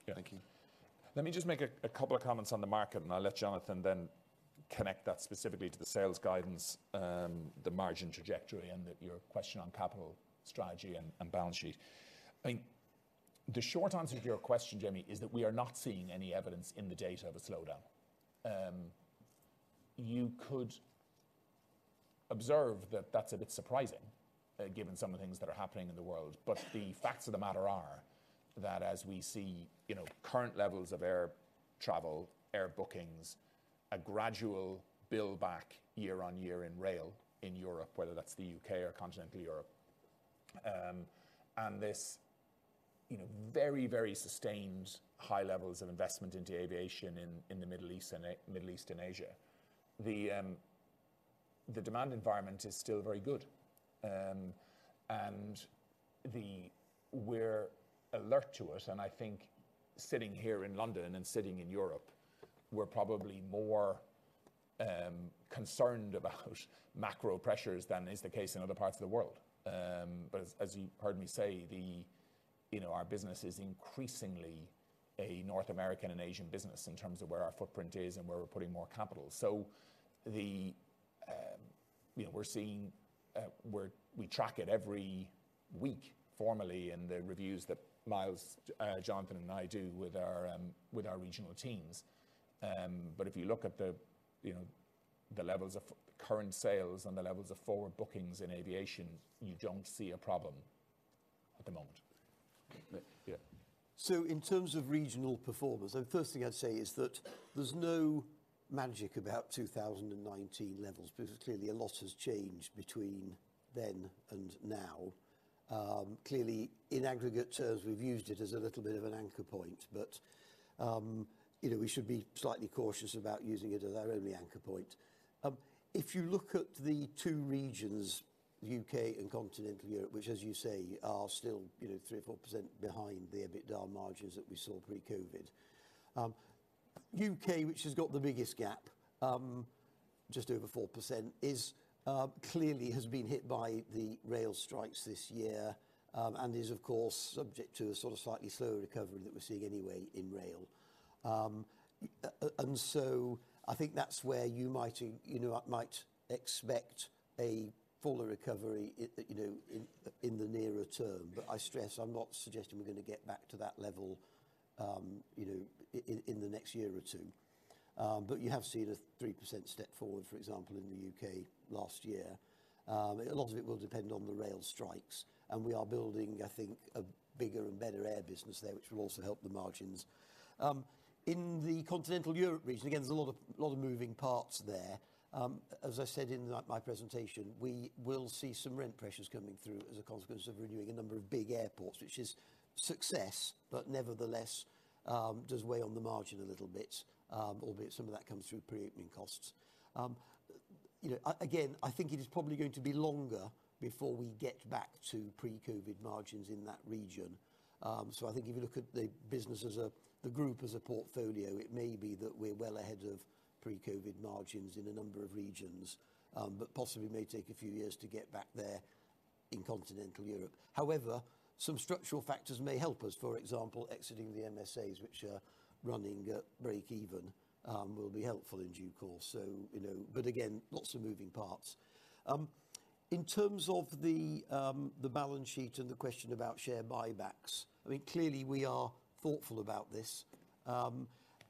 Yeah. Thank you. Let me just make a couple of comments on the market, and I'll let Jonathan then connect that specifically to the sales guidance, the margin trajectory, and your question on capital strategy and balance sheet. I think the short answer to your question, Jamie, is that we are not seeing any evidence in the data of a slowdown. You could observe that that's a bit surprising, given some of the things that are happening in the world. But the facts of the matter are, that as we see, you know, current levels of air travel, air bookings, a gradual buildback year on year in rail, in Europe, whether that's the UK or Continental Europe, and this, you know, very, very sustained high levels of investment into aviation in, in the Middle East and Asia, the, the demand environment is still very good. And we're alert to it, and I think sitting here in London and sitting in Europe, we're probably more, concerned about macro pressures than is the case in other parts of the world. But as, as you heard me say, the... You know, our business is increasingly a North American and Asian business in terms of where our footprint is and where we're putting more capital. So, you know, we're seeing we track it every week formally in the reviews that Miles, Jonathan, and I do with our regional teams. But if you look at the, you know, the levels of current sales and the levels of forward bookings in aviation, you don't see a problem at the moment. Yeah. So in terms of regional performance, the first thing I'd say is that there's no magic about 2019 levels, because clearly, a lot has changed between then and now. Clearly, in aggregate terms, we've used it as a little bit of an anchor point, but, you know, we should be slightly cautious about using it as our only anchor point. If you look at the two regions, UK and Continental Europe, which, as you say, are still, you know, 3%-4% behind the EBITDA margins that we saw pre-COVID. UK, which has got the biggest gap, just over 4%, is clearly has been hit by the rail strikes this year, and is, of course, subject to a sort of slightly slower recovery that we're seeing anyway in rail. I think that's where you might, you know, might expect a fuller recovery, you know, in the nearer term. But I stress, I'm not suggesting we're going to get back to that level, you know, in the next year or two. You have seen a 3% step forward, for example, in the UK last year. A lot of it will depend on the rail strikes, and we are building, I think, a bigger and better air business there, which will also help the margins. In the Continental Europe region, again, there's a lot of moving parts there. As I said in my, my presentation, we will see some rent pressures coming through as a consequence of renewing a number of big airports, which is success, but nevertheless, does weigh on the margin a little bit, albeit some of that comes through pre-opening costs. You know, again, I think it is probably going to be longer before we get back to pre-COVID margins in that region. So I think if you look at the business as a, the group as a portfolio, it may be that we're well ahead of pre-COVID margins in a number of regions, but possibly may take a few years to get back there in Continental Europe. However, some structural factors may help us. For example, exiting the MSAs, which are running at breakeven, will be helpful in due course. So, you know, but again, lots of moving parts. In terms of the balance sheet and the question about share buybacks, I mean, clearly, we are thoughtful about this.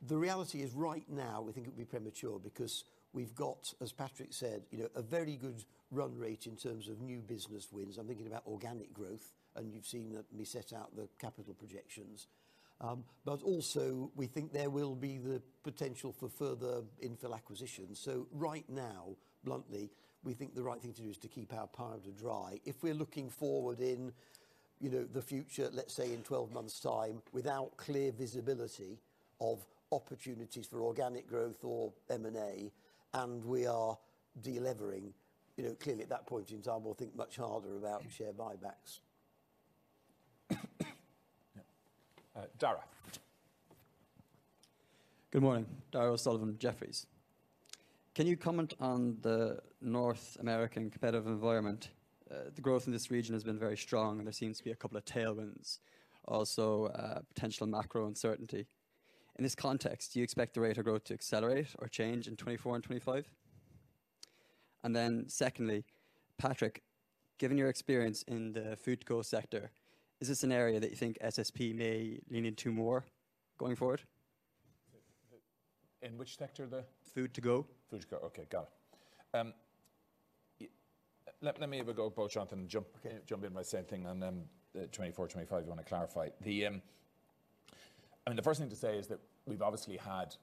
The reality is right now, we think it would be premature because we've got, as Patrick said, you know, a very good run rate in terms of new business wins. I'm thinking about organic growth, and you've seen that we set out the capital projections. But also, we think there will be the potential for further infill acquisitions. So right now, bluntly, we think the right thing to do is to keep our powder dry. If we're looking forward in, you know, the future, let's say in 12 months' time, without clear visibility of opportunities for organic growth or M&A, and we are delevering... You know, clearly at that point in time, we'll think much harder about share buybacks. Yeah. Dara. Good morning. Dara O'Sullivan, Jefferies. Can you comment on the North American competitive environment? The growth in this region has been very strong, and there seems to be a couple of tailwinds, also, potential macro uncertainty. In this context, do you expect the rate of growth to accelerate or change in 2024 and 2025? And then secondly, Patrick, given your experience in the food to go sector, is this an area that you think SSP may lean into more going forward? In which sector? Food to go. Food to go. Okay, got it. Let me have a go, both Jonathan, and jump in by saying thing, and then 2024, 2025 you want to clarify. I mean, the first thing to say is that we've obviously had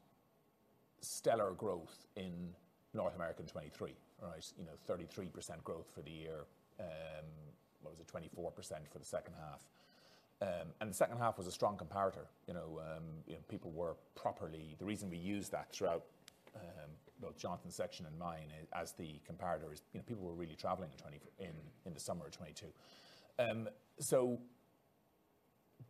stellar growth in North America in 2023, right? You know, 33% growth for the year. What was it? 24% for the second half. And the second half was a strong comparator, you know, you know, people were properly. The reason we used that throughout both Jonathan's section and mine as the comparator is, you know, people were really traveling in the summer of 2022. So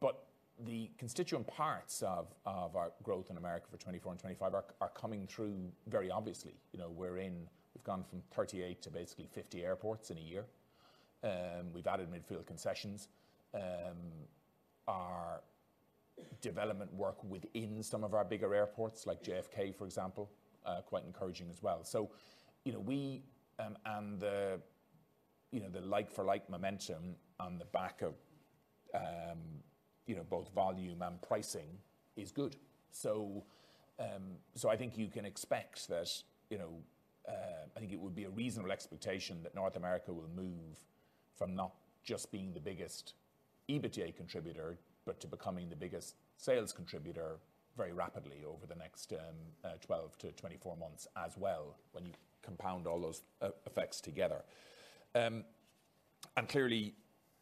but the constituent parts of our growth in America for 2024 and 2025 are coming through very obviously. You know, we're in, we've gone from 38 to basically 50 airports in a year. We've added Midfield Concessions. Our development work within some of our bigger airports, like JFK, for example, are quite encouraging as well. So, you know, we, and the, you know, the like-for-like momentum on the back of, you know, both volume and pricing is good. So, so I think you can expect that, you know, I think it would be a reasonable expectation that North America will move from not just being the biggest EBITDA contributor, but to becoming the biggest sales contributor very rapidly over the next, 12-24 months as well, when you compound all those effects together. And clearly,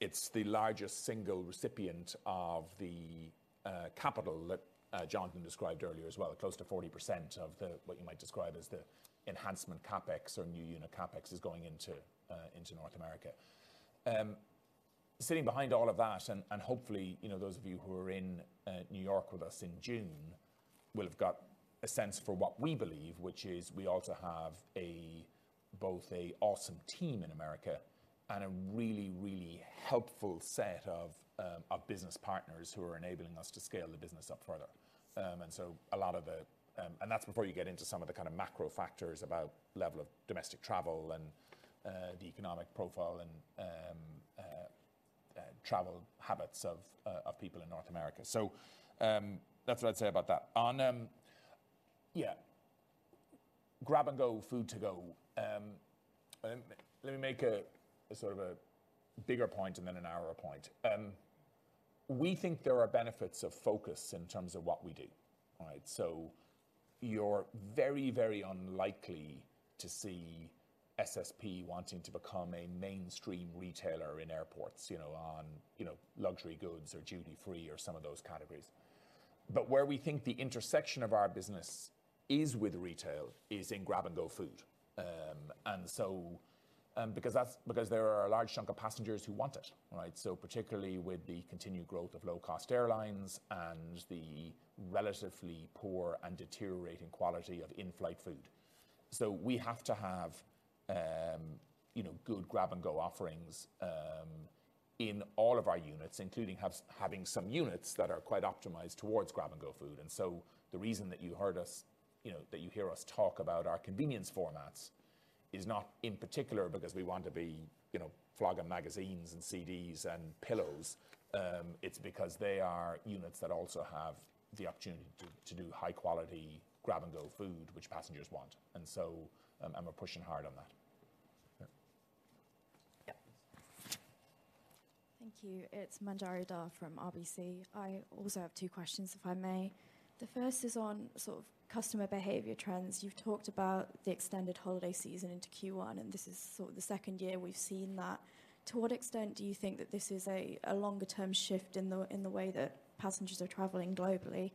it's the largest single recipient of the, capital that, Jonathan described earlier as well. Close to 40% of the, what you might describe as the enhancement CapEx or new unit CapEx, is going into North America. Sitting behind all of that, and hopefully, you know, those of you who are in New York with us in June, will have got a sense for what we believe, which is we also have both a awesome team in America and a really, really helpful set of business partners who are enabling us to scale the business up further. And so a lot of the—and that's before you get into some of the kind of macro factors about level of domestic travel and the economic profile and travel habits of people in North America. So, that's what I'd say about that. On, yeah, grab and go, food to go, let me make a sort of a bigger point and then a narrower point. We think there are benefits of focus in terms of what we do, right? So you're very, very unlikely to see SSP wanting to become a mainstream retailer in airports, you know, on, you know, luxury goods or duty-free or some of those categories. But where we think the intersection of our business is with retail is in grab-and-go food. And so, because there are a large chunk of passengers who want it, right? So particularly with the continued growth of low-cost airlines and the relatively poor and deteriorating quality of in-flight food. So we have to have, you know, good grab-and-go offerings, in all of our units, including having some units that are quite optimized towards grab-and-go food. And so the reason that you heard us, you know, that you hear us talk about our convenience formats is not in particular because we want to be, you know, flogging magazines and CDs and pillows. It's because they are units that also have the opportunity to do high-quality grab-and-go food, which passengers want. And so, and we're pushing hard on that. Yeah. Thank you. It's Manjari Dhar from RBC. I also have two questions, if I may. The first is on sort of customer behavior trends. You've talked about the extended holiday season into Q1, and this is sort of the second year we've seen that. To what extent do you think that this is a, a longer-term shift in the, in the way that passengers are traveling globally?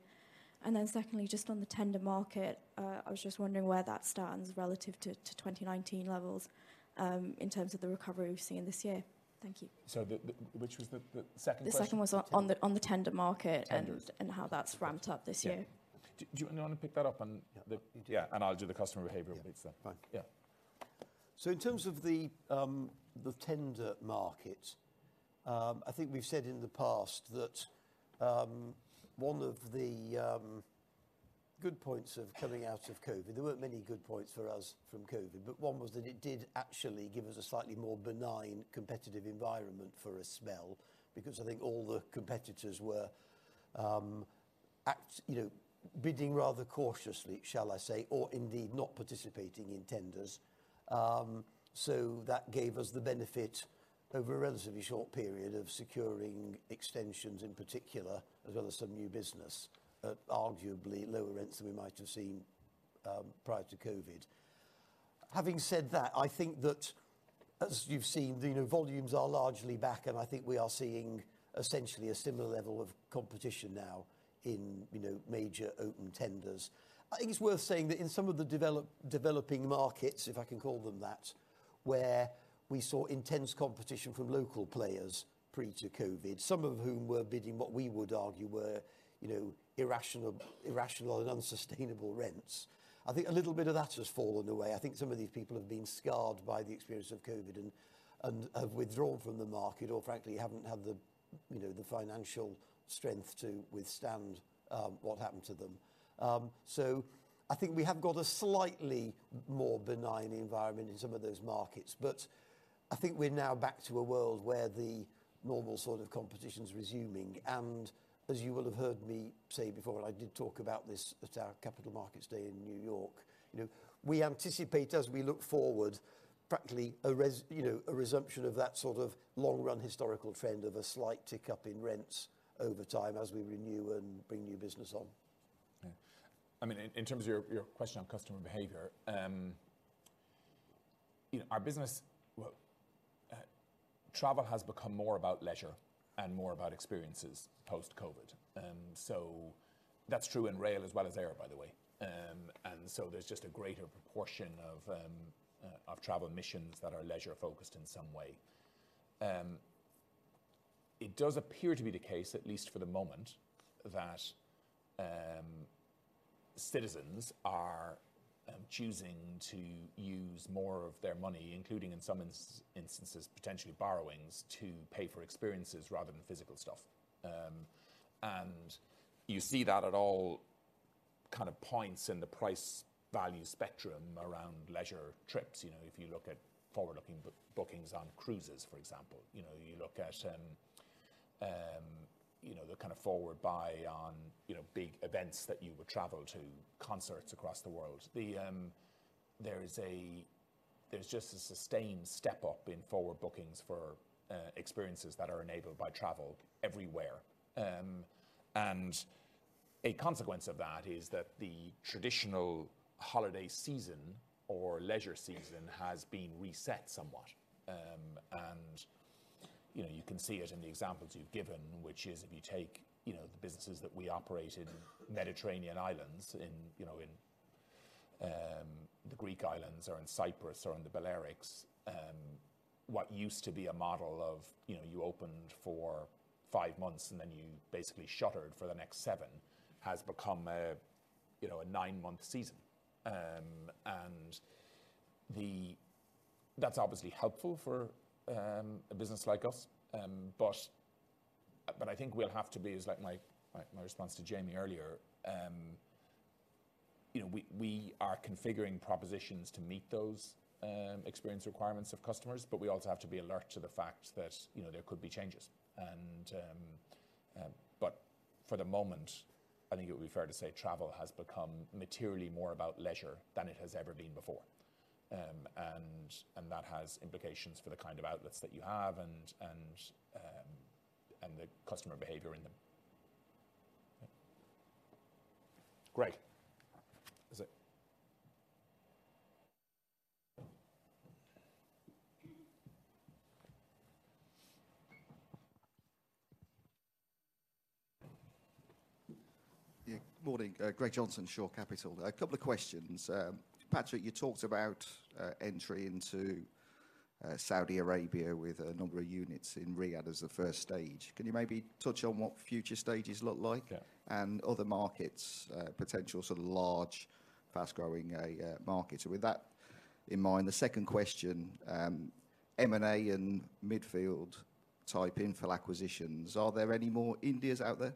And then secondly, just on the tender market, I was just wondering where that stands relative to, to 2019 levels, in terms of the recovery we're seeing this year. Thank you. So, which was the second question? The second one was on the tender market- Tenders. and how that's ramped up this year. Yeah. Do you want to pick that up on the- Yeah. Yeah, and I'll do the customer behavior bits then. Fine. Yeah. So in terms of the tender market, I think we've said in the past that one of the good points of coming out of COVID, there weren't many good points for us from COVID, but one was that it did actually give us a slightly more benign competitive environment for a spell, because I think all the competitors were, you know, bidding rather cautiously, shall I say, or indeed not participating in tenders. So that gave us the benefit over a relatively short period of securing extensions in particular, as well as some new business, at arguably lower rents than we might have seen prior to COVID. Having said that, I think that as you've seen, you know, volumes are largely back, and I think we are seeing essentially a similar level of competition now in, you know, major open tenders. I think it's worth saying that in some of the developing markets, if I can call them that, where we saw intense competition from local players pre- to COVID, some of whom were bidding, what we would argue were, you know, irrational and unsustainable rents. I think a little bit of that has fallen away. I think some of these people have been scarred by the experience of COVID and have withdrawn from the market or frankly, haven't had the, you know, the financial strength to withstand what happened to them. So I think we have got a slightly more benign environment in some of those markets, but I think we're now back to a world where the normal sort of competition's resuming, and as you will have heard me say before, I did talk about this at our Capital Markets Day in New York. You know, we anticipate as we look forward, practically, a resumption of that sort of long-run historical trend of a slight tick-up in rents over time as we renew and bring new business on. Yeah. I mean, in terms of your question on customer behavior, you know, our business... Well, travel has become more about leisure and more about experiences post-COVID. So that's true in rail as well as air, by the way. And so there's just a greater proportion of travel missions that are leisure-focused in some way. It does appear to be the case, at least for the moment, that citizens are choosing to use more of their money, including in some instances, potentially borrowings, to pay for experiences rather than physical stuff. And you see that at all kind of points in the price-value spectrum around leisure trips. You know, if you look at forward-looking bookings on cruises, for example, you know, you look at, you know, the kind of forward buy on, you know, big events that you would travel to, concerts across the world. There's just a sustained step up in forward bookings for experiences that are enabled by travel everywhere. And a consequence of that is that the traditional holiday season or leisure season has been reset somewhat. You know, you can see it in the examples you've given, which is if you take, you know, the businesses that we operate in Mediterranean islands, in, you know, in, the Greek islands or in Cyprus or in the Balearics, what used to be a model of, you know, you opened for five months and then you basically shuttered for the next seven, has become a, you know, a nine-month season. That's obviously helpful for a business like us, but I think we'll have to be as, like, my response to Jamie earlier, you know, we are configuring propositions to meet those experience requirements of customers, but we also have to be alert to the fact that, you know, there could be changes, and... But for the moment, I think it would be fair to say travel has become materially more about leisure than it has ever been before. And that has implications for the kind of outlets that you have and the customer behavior in them. Greg, Is it? Yeah. Good morning, Greg Johnson, Shore Capital. A couple of questions. Patrick, you talked about entry into Saudi Arabia with a number of units in Riyadh as a first stage. Can you maybe touch on what future stages look like? Yeah. And other markets, potential sort of large, fast-growing markets. So with that in mind, the second question, M&A and Midfield-type infill acquisitions, are there any more Indias out there?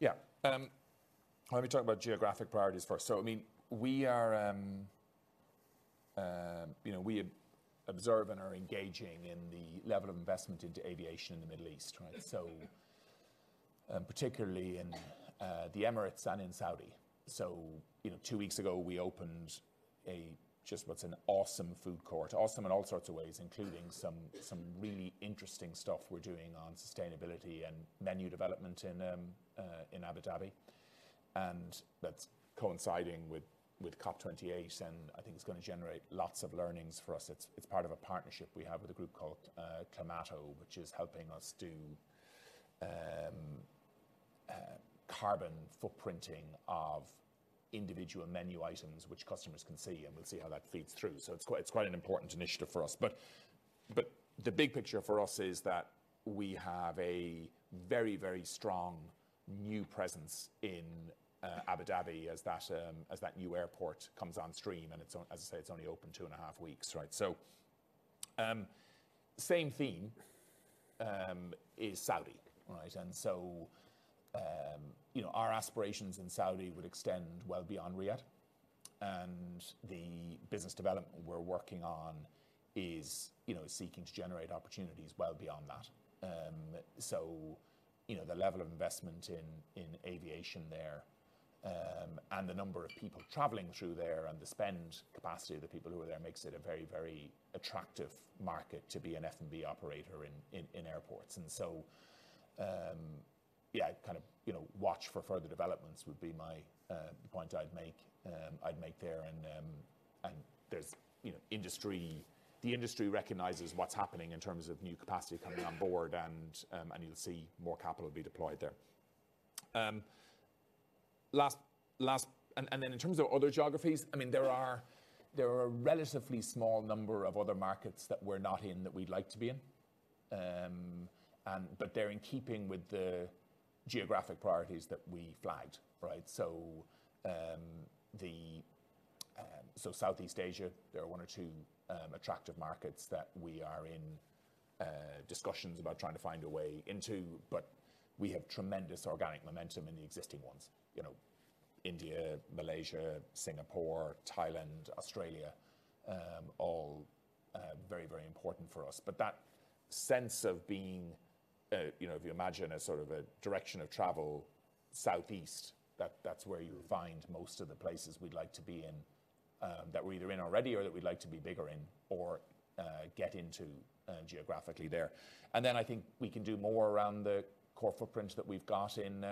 Yeah. Let me talk about geographic priorities first. So I mean, we are, you know, we observe and are engaging in the level of investment into aviation in the Middle East, right? So, particularly in, the Emirates and in Saudi. So, you know, two weeks ago, we opened a, just what's an awesome food court. Awesome in all sorts of ways, including some, some really interesting stuff we're doing on sustainability and menu development in, in Abu Dhabi, and that's coinciding with, with COP28, and I think it's going to generate lots of learnings for us. It's, it's part of a partnership we have with a group called, Klimato, which is helping us do, carbon footprinting of individual menu items, which customers can see, and we'll see how that feeds through. So it's quite, it's quite an important initiative for us. But, but the big picture for us is that we have a very, very strong new presence in Abu Dhabi as that new airport comes on stream, and it's only, as I say, it's only open 2.5 weeks, right? So, same theme is Saudi, right? And so, you know, our aspirations in Saudi would extend well beyond Riyadh, and the business development we're working on is, you know, seeking to generate opportunities well beyond that. So, you know, the level of investment in aviation there, and the number of people traveling through there and the spend capacity of the people who are there, makes it a very, very attractive market to be an F&B operator in airports. And so... Yeah, kind of, you know, watch for further developments would be my point I'd make there. And there's, you know, the industry recognizes what's happening in terms of new capacity coming on board, and you'll see more capital be deployed there. And then in terms of other geographies, I mean, there are a relatively small number of other markets that we're not in, that we'd like to be in. But they're in keeping with the geographic priorities that we flagged, right? So, so Southeast Asia, there are one or two attractive markets that we are in discussions about trying to find a way into, but we have tremendous organic momentum in the existing ones. You know, India, Malaysia, Singapore, Thailand, Australia, all, very, very important for us. But that sense of being, you know, if you imagine a sort of a direction of travel southeast, that, that's where you would find most of the places we'd like to be in, that we're either in already or that we'd like to be bigger in or, get into, geographically there. And then I think we can do more around the core footprint that we've got in,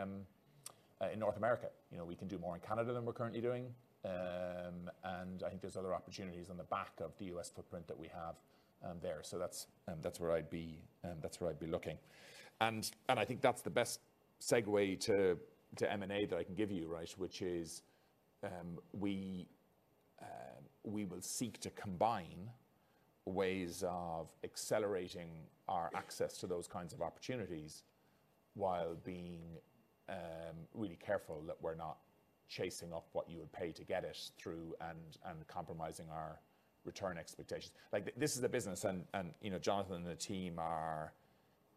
in North America. You know, we can do more in Canada than we're currently doing. And I think there's other opportunities on the back of the U.S. footprint that we have, there. So that's, that's where I'd be, that's where I'd be looking. I think that's the best segue to M&A that I can give you, right? Which is, we will seek to combine ways of accelerating our access to those kinds of opportunities while being really careful that we're not chasing off what you would pay to get it through and compromising our return expectations. Like, this is a business and, you know, Jonathan and the team are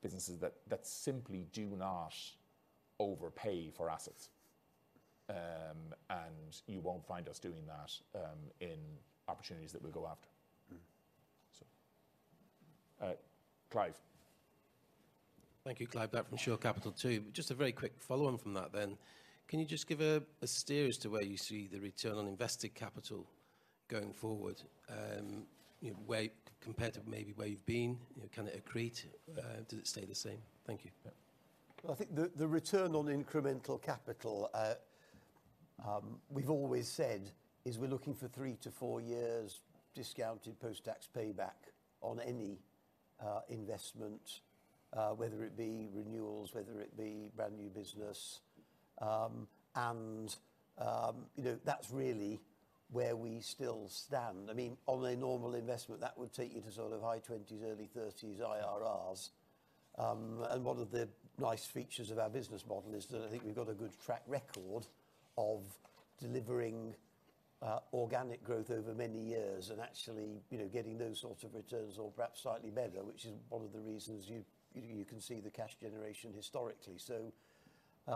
businesses that simply do not overpay for assets. And you won't find us doing that in opportunities that we go after. So, Clive? Thank you. Clive Black from Shore Capital, too. Just a very quick follow-on from that then. Can you just give a steer as to where you see the return on invested capital going forward? You know, where compared to maybe where you've been, you know, can it accrete, does it stay the same? Thank you. Well, I think the return on incremental capital, we've always said is we're looking for 3-4 years discounted post-tax payback on any, investment, whether it be renewals, whether it be brand-new business. And, you know, that's really where we still stand. I mean, on a normal investment, that would take you to sort of high 20s, early 30s IRRs. And one of the nice features of our business model is that I think we've got a good track record of delivering, organic growth over many years and actually, you know, getting those sorts of returns or perhaps slightly better, which is one of the reasons you can see the cash generation historically. So,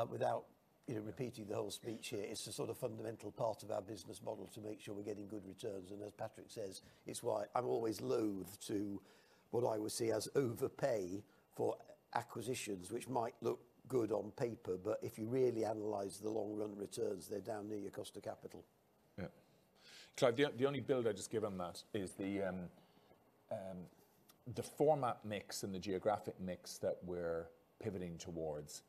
without, you know, repeating the whole speech here, it's a sort of fundamental part of our business model to make sure we're getting good returns, and as Patrick says, it's why I'm always loath to what I would see as overpay for acquisitions, which might look good on paper, but if you really analyze the long-run returns, they're down near your cost of capital. Yeah. Clive, the only build I'd just give on that is the format mix and the geographic mix that we're pivoting towards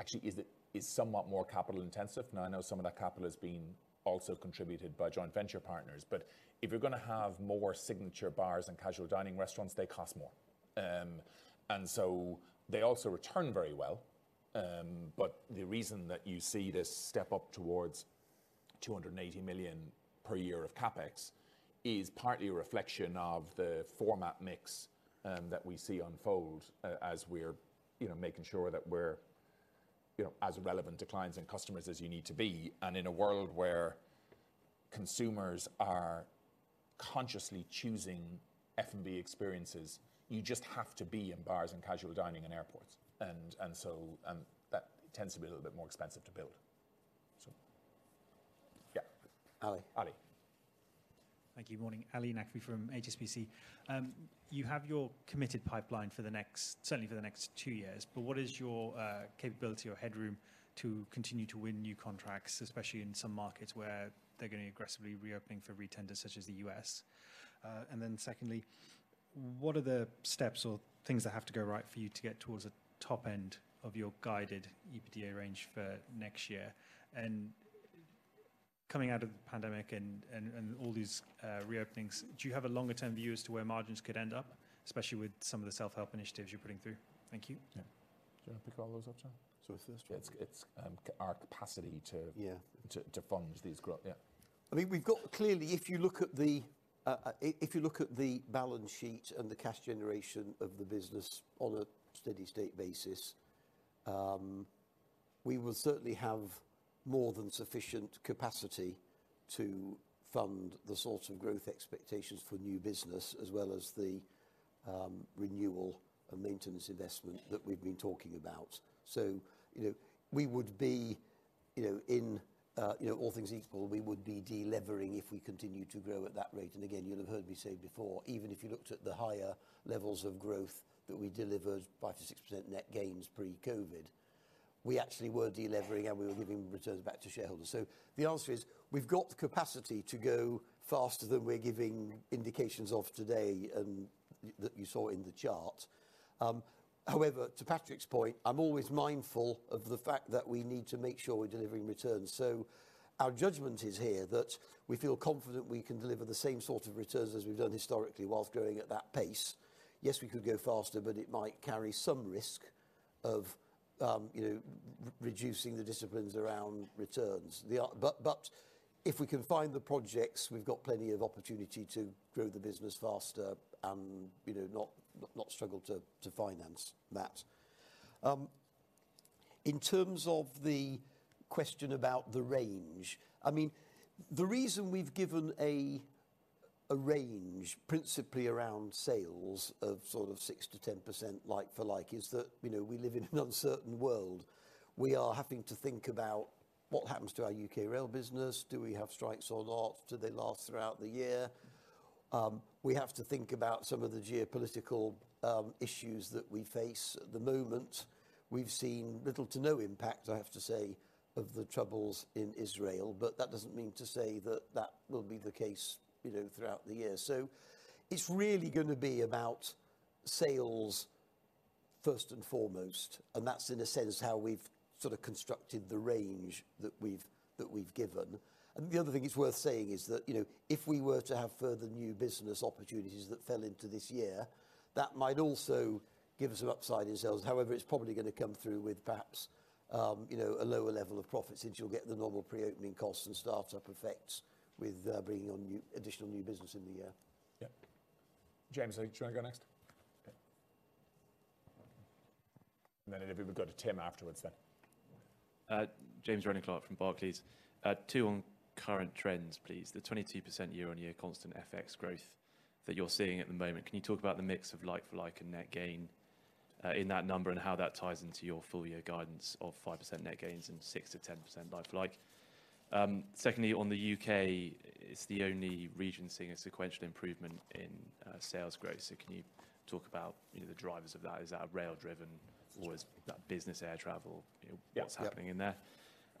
actually is somewhat more capital intensive. Now, I know some of that capital has been also contributed by joint venture partners, but if you're going to have more signature bars and casual dining restaurants, they cost more. And so they also return very well, but the reason that you see this step up towards 280 million per year of CapEx is partly a reflection of the format mix that we see unfold as we're, you know, making sure that we're, you know, as relevant to clients and customers as you need to be. In a world where consumers are consciously choosing F&B experiences, you just have to be in bars and casual dining and airports, and so that tends to be a little bit more expensive to build. So... Yeah. Ali. Ali. Thank you. Morning, Ali Naqvi from HSBC. You have your committed pipeline for the next, certainly for the next two years, but what is your capability or headroom to continue to win new contracts, especially in some markets where they're going to be aggressively reopening for re-tenders, such as the US? And then secondly, what are the steps or things that have to go right for you to get towards the top end of your guided EBITDA range for next year? And coming out of the pandemic and, and, and all these reopenings, do you have a longer-term view as to where margins could end up, especially with some of the self-help initiatives you're putting through? Thank you. Yeah. Do you want to pick all those up, John? So it's this- Yeah, it's our capacity to- Yeah... to fund these growth. Yeah. I think we've got. Clearly, if you look at the balance sheet and the cash generation of the business on a steady state basis, we will certainly have more than sufficient capacity to fund the sort of growth expectations for new business, as well as the renewal and maintenance investment that we've been talking about. So, you know, we would be, you know, in, you know, all things equal, we would be delevering if we continue to grow at that rate. And again, you'll have heard me say before, even if you looked at the higher levels of growth that we delivered, 5%-6% net gains pre-COVID, we actually were delevering, and we were giving returns back to shareholders. So the answer is, we've got the capacity to go faster than we're giving indications of today, and that you saw in the chart. However, to Patrick's point, I'm always mindful of the fact that we need to make sure we're delivering returns. So our judgment is here, that we feel confident we can deliver the same sort of returns as we've done historically whilst growing at that pace. Yes, we could go faster, but it might carry some risk of, you know, reducing the disciplines around returns. But if we can find the projects, we've got plenty of opportunity to grow the business faster and, you know, not struggle to finance that. In terms of the question about the range, I mean, the reason we've given a range principally around sales of sort of 6%-10% like-for-like, is that, you know, we live in an uncertain world. We are having to think about what happens to our U.K. rail business. Do we have strikes or not? Do they last throughout the year? We have to think about some of the geopolitical issues that we face at the moment. We've seen little to no impact, I have to say, of the troubles in Israel, but that doesn't mean to say that that will be the case, you know, throughout the year. So it's really gonna be about sales first and foremost, and that's in a sense, how we've sort of constructed the range that we've given. The other thing it's worth saying is that, you know, if we were to have further new business opportunities that fell into this year, that might also give us some upside in sales. However, it's probably gonna come through with perhaps, you know, a lower level of profit, since you'll get the normal Pre-opening costs and startup effects with bringing on additional new business in the year. Yeah. James, do you want to go next? Okay. And then if we would go to Tim afterwards then. James Sherborne from Barclays. Two on current trends, please. The 22% year-on-year constant FX growth that you're seeing at the moment, can you talk about the mix of like-for-like and net gain in that number, and how that ties into your full year guidance of 5% net gains and 6%-10% like-for-like? Secondly, on the U.K., it's the only region seeing a sequential improvement in sales growth. So can you talk about, you know, the drivers of that? Is that rail driven or is that business air travel? Yeah. What's happening in there?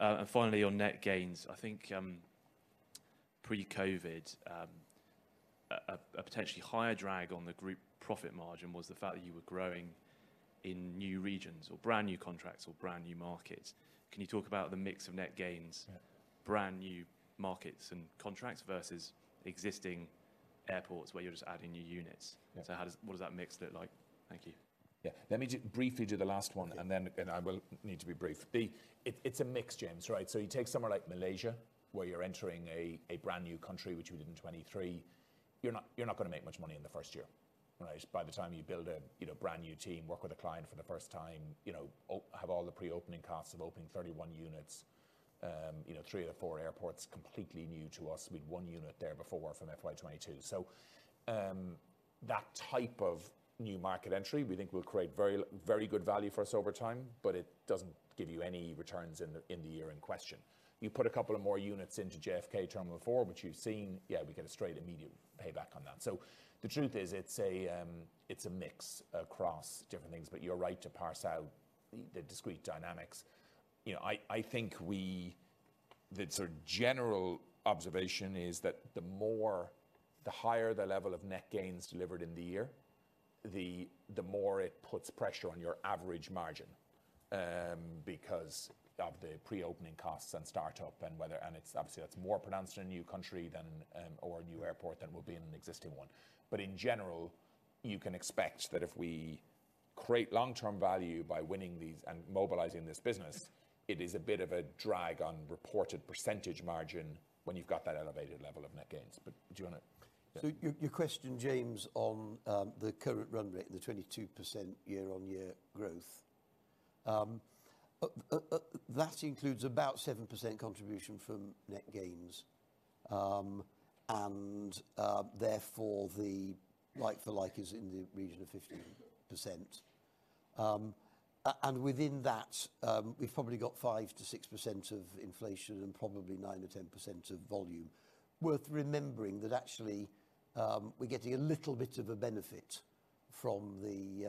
And finally, on net gains, I think, pre-COVID, a potentially higher drag on the group profit margin was the fact that you were growing in new regions or brand new contracts or brand new markets. Can you talk about the mix of net gains- Yeah ... brand new markets and contracts versus existing airports where you're just adding new units? Yeah. So what does that mix look like? Thank you. Yeah. Let me just briefly do the last one, and then I will need to be brief. It's a mix, James, right? So you take somewhere like Malaysia, where you're entering a brand new country, which we did in 2023. You're not gonna make much money in the first year, right? By the time you build a you know, brand new team, work with a client for the first time, you know, have all the pre-opening costs of opening 31 units, you know, three or four airports, completely new to us. We had one unit there before from FY 2022. So, that type of new market entry, we think will create very, very good value for us over time, but it doesn't give you any returns in the year in question. You put a couple of more units into JFK Terminal 4, which you've seen. Yeah, we get a straight immediate payback on that. So the truth is, it's a mix across different things, but you're right to parse out the discrete dynamics. You know, I think we, the sort of general observation is that the more, the higher the level of net gains delivered in the year, the more it puts pressure on your average margin, because of the pre-opening costs and start-up and whether... And it's obviously, that's more pronounced in a new country than, or a new airport than will be in an existing one. But in general, you can expect that if we create long-term value by winning these and mobilizing this business, it is a bit of a drag on reported percentage margin when you've got that elevated level of net gains. But do you want to- So your question, James, on the current run rate, the 22% year-on-year growth. That includes about 7% contribution from net gains. And therefore, the like for like is in the region of 15%. And within that, we've probably got 5%-6% of inflation and probably 9%-10% of volume. Worth remembering that actually, we're getting a little bit of a benefit from the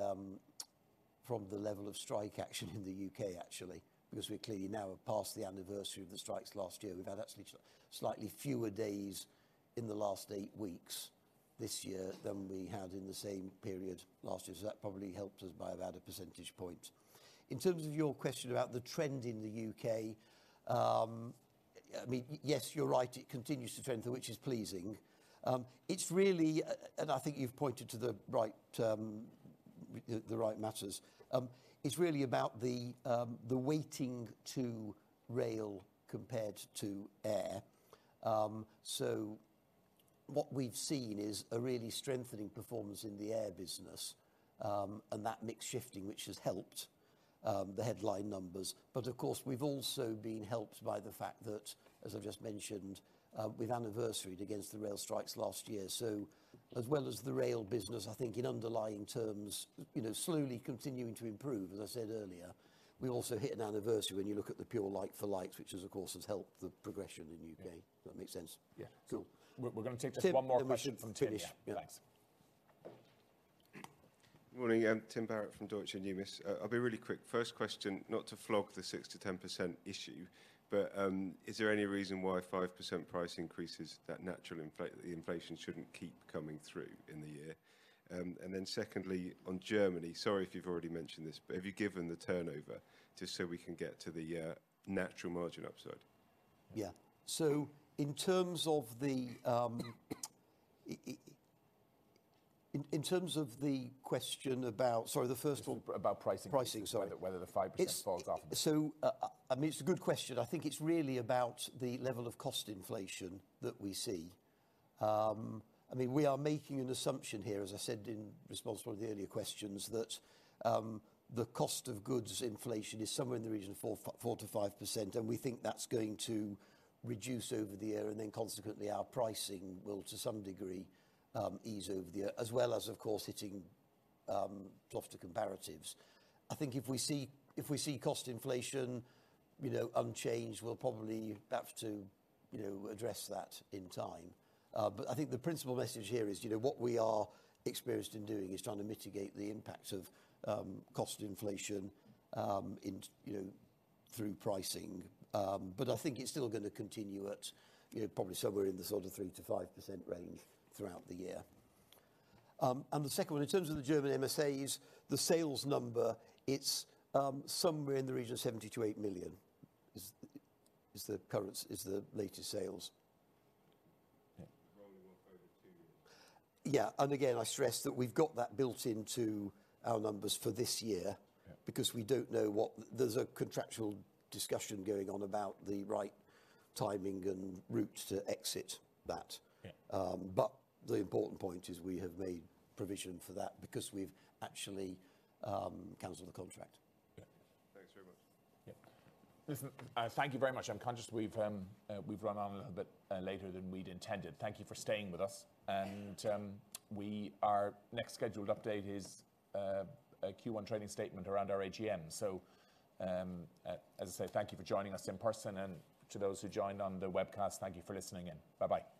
level of strike action in the UK, actually, because we clearly now are past the anniversary of the strikes last year. We've had actually slightly fewer days in the last 8 weeks this year than we had in the same period last year. So that probably helped us by about a percentage point. In terms of your question about the trend in the UK, I mean, yes, you're right, it continues to trend, which is pleasing. It's really, and I think you've pointed to the right matters. It's really about the weighting to rail compared to air. So what we've seen is a really strengthening performance in the air business, and that mix shifting, which has helped the headline numbers. But of course, we've also been helped by the fact that, as I've just mentioned, we've anniversaried against the rail strikes last year. So as well as the rail business, I think in underlying terms, you know, slowly continuing to improve, as I said earlier, we also hit an anniversary when you look at the pure like-for-likes, which, of course, has helped the progression in UK. Does that make sense? Yeah. Cool. We're gonna take just one more question from Tim. Finish. Yeah, thanks. ... Good morning, Tim Barrett from Deutsche Numis. I'll be really quick. First question, not to flog the 6%-10% issue, but, is there any reason why 5% price increases that natural inflation shouldn't keep coming through in the year? And then secondly, on Germany, sorry, if you've already mentioned this, but have you given the turnover just so we can get to the, natural margin upside? Yeah. So in terms of the, in terms of the question about... Sorry, the first one? About pricing. Pricing, sorry. Whether the 5% falls off. It's so, I mean, it's a good question. I think it's really about the level of cost inflation that we see. I mean, we are making an assumption here, as I said, in response to one of the earlier questions, that the cost of goods inflation is somewhere in the region of 4%-5%, and we think that's going to reduce over the year, and then consequently, our pricing will, to some degree, ease over the year, as well as, of course, hitting softer comparatives. I think if we see cost inflation, you know, unchanged, we'll probably have to, you know, address that in time. But I think the principal message here is, you know, what we are experienced in doing is trying to mitigate the impacts of cost inflation in, you know, through pricing. But I think it's still gonna continue at, you know, probably somewhere in the sort of 3%-5% range throughout the year. And the second one, in terms of the German MSAs, the sales number, it's somewhere in the region of 70-80 million, which is the current, the latest sales. Yeah. Rolling 1 over 2 years. Yeah. And again, I stress that we've got that built into our numbers for this year- Yeah... because we don't know what, there's a contractual discussion going on about the right timing and route to exit that. Yeah. But the important point is we have made provision for that because we've actually canceled the contract. Yeah. Thanks very much. Yeah. Listen, thank you very much. I'm conscious we've run on a little bit later than we'd intended. Thank you for staying with us, and our next scheduled update is a Q1 trading statement around our AGM. So, as I say, thank you for joining us in person, and to those who joined on the webcast, thank you for listening in. Bye-bye. Thanks.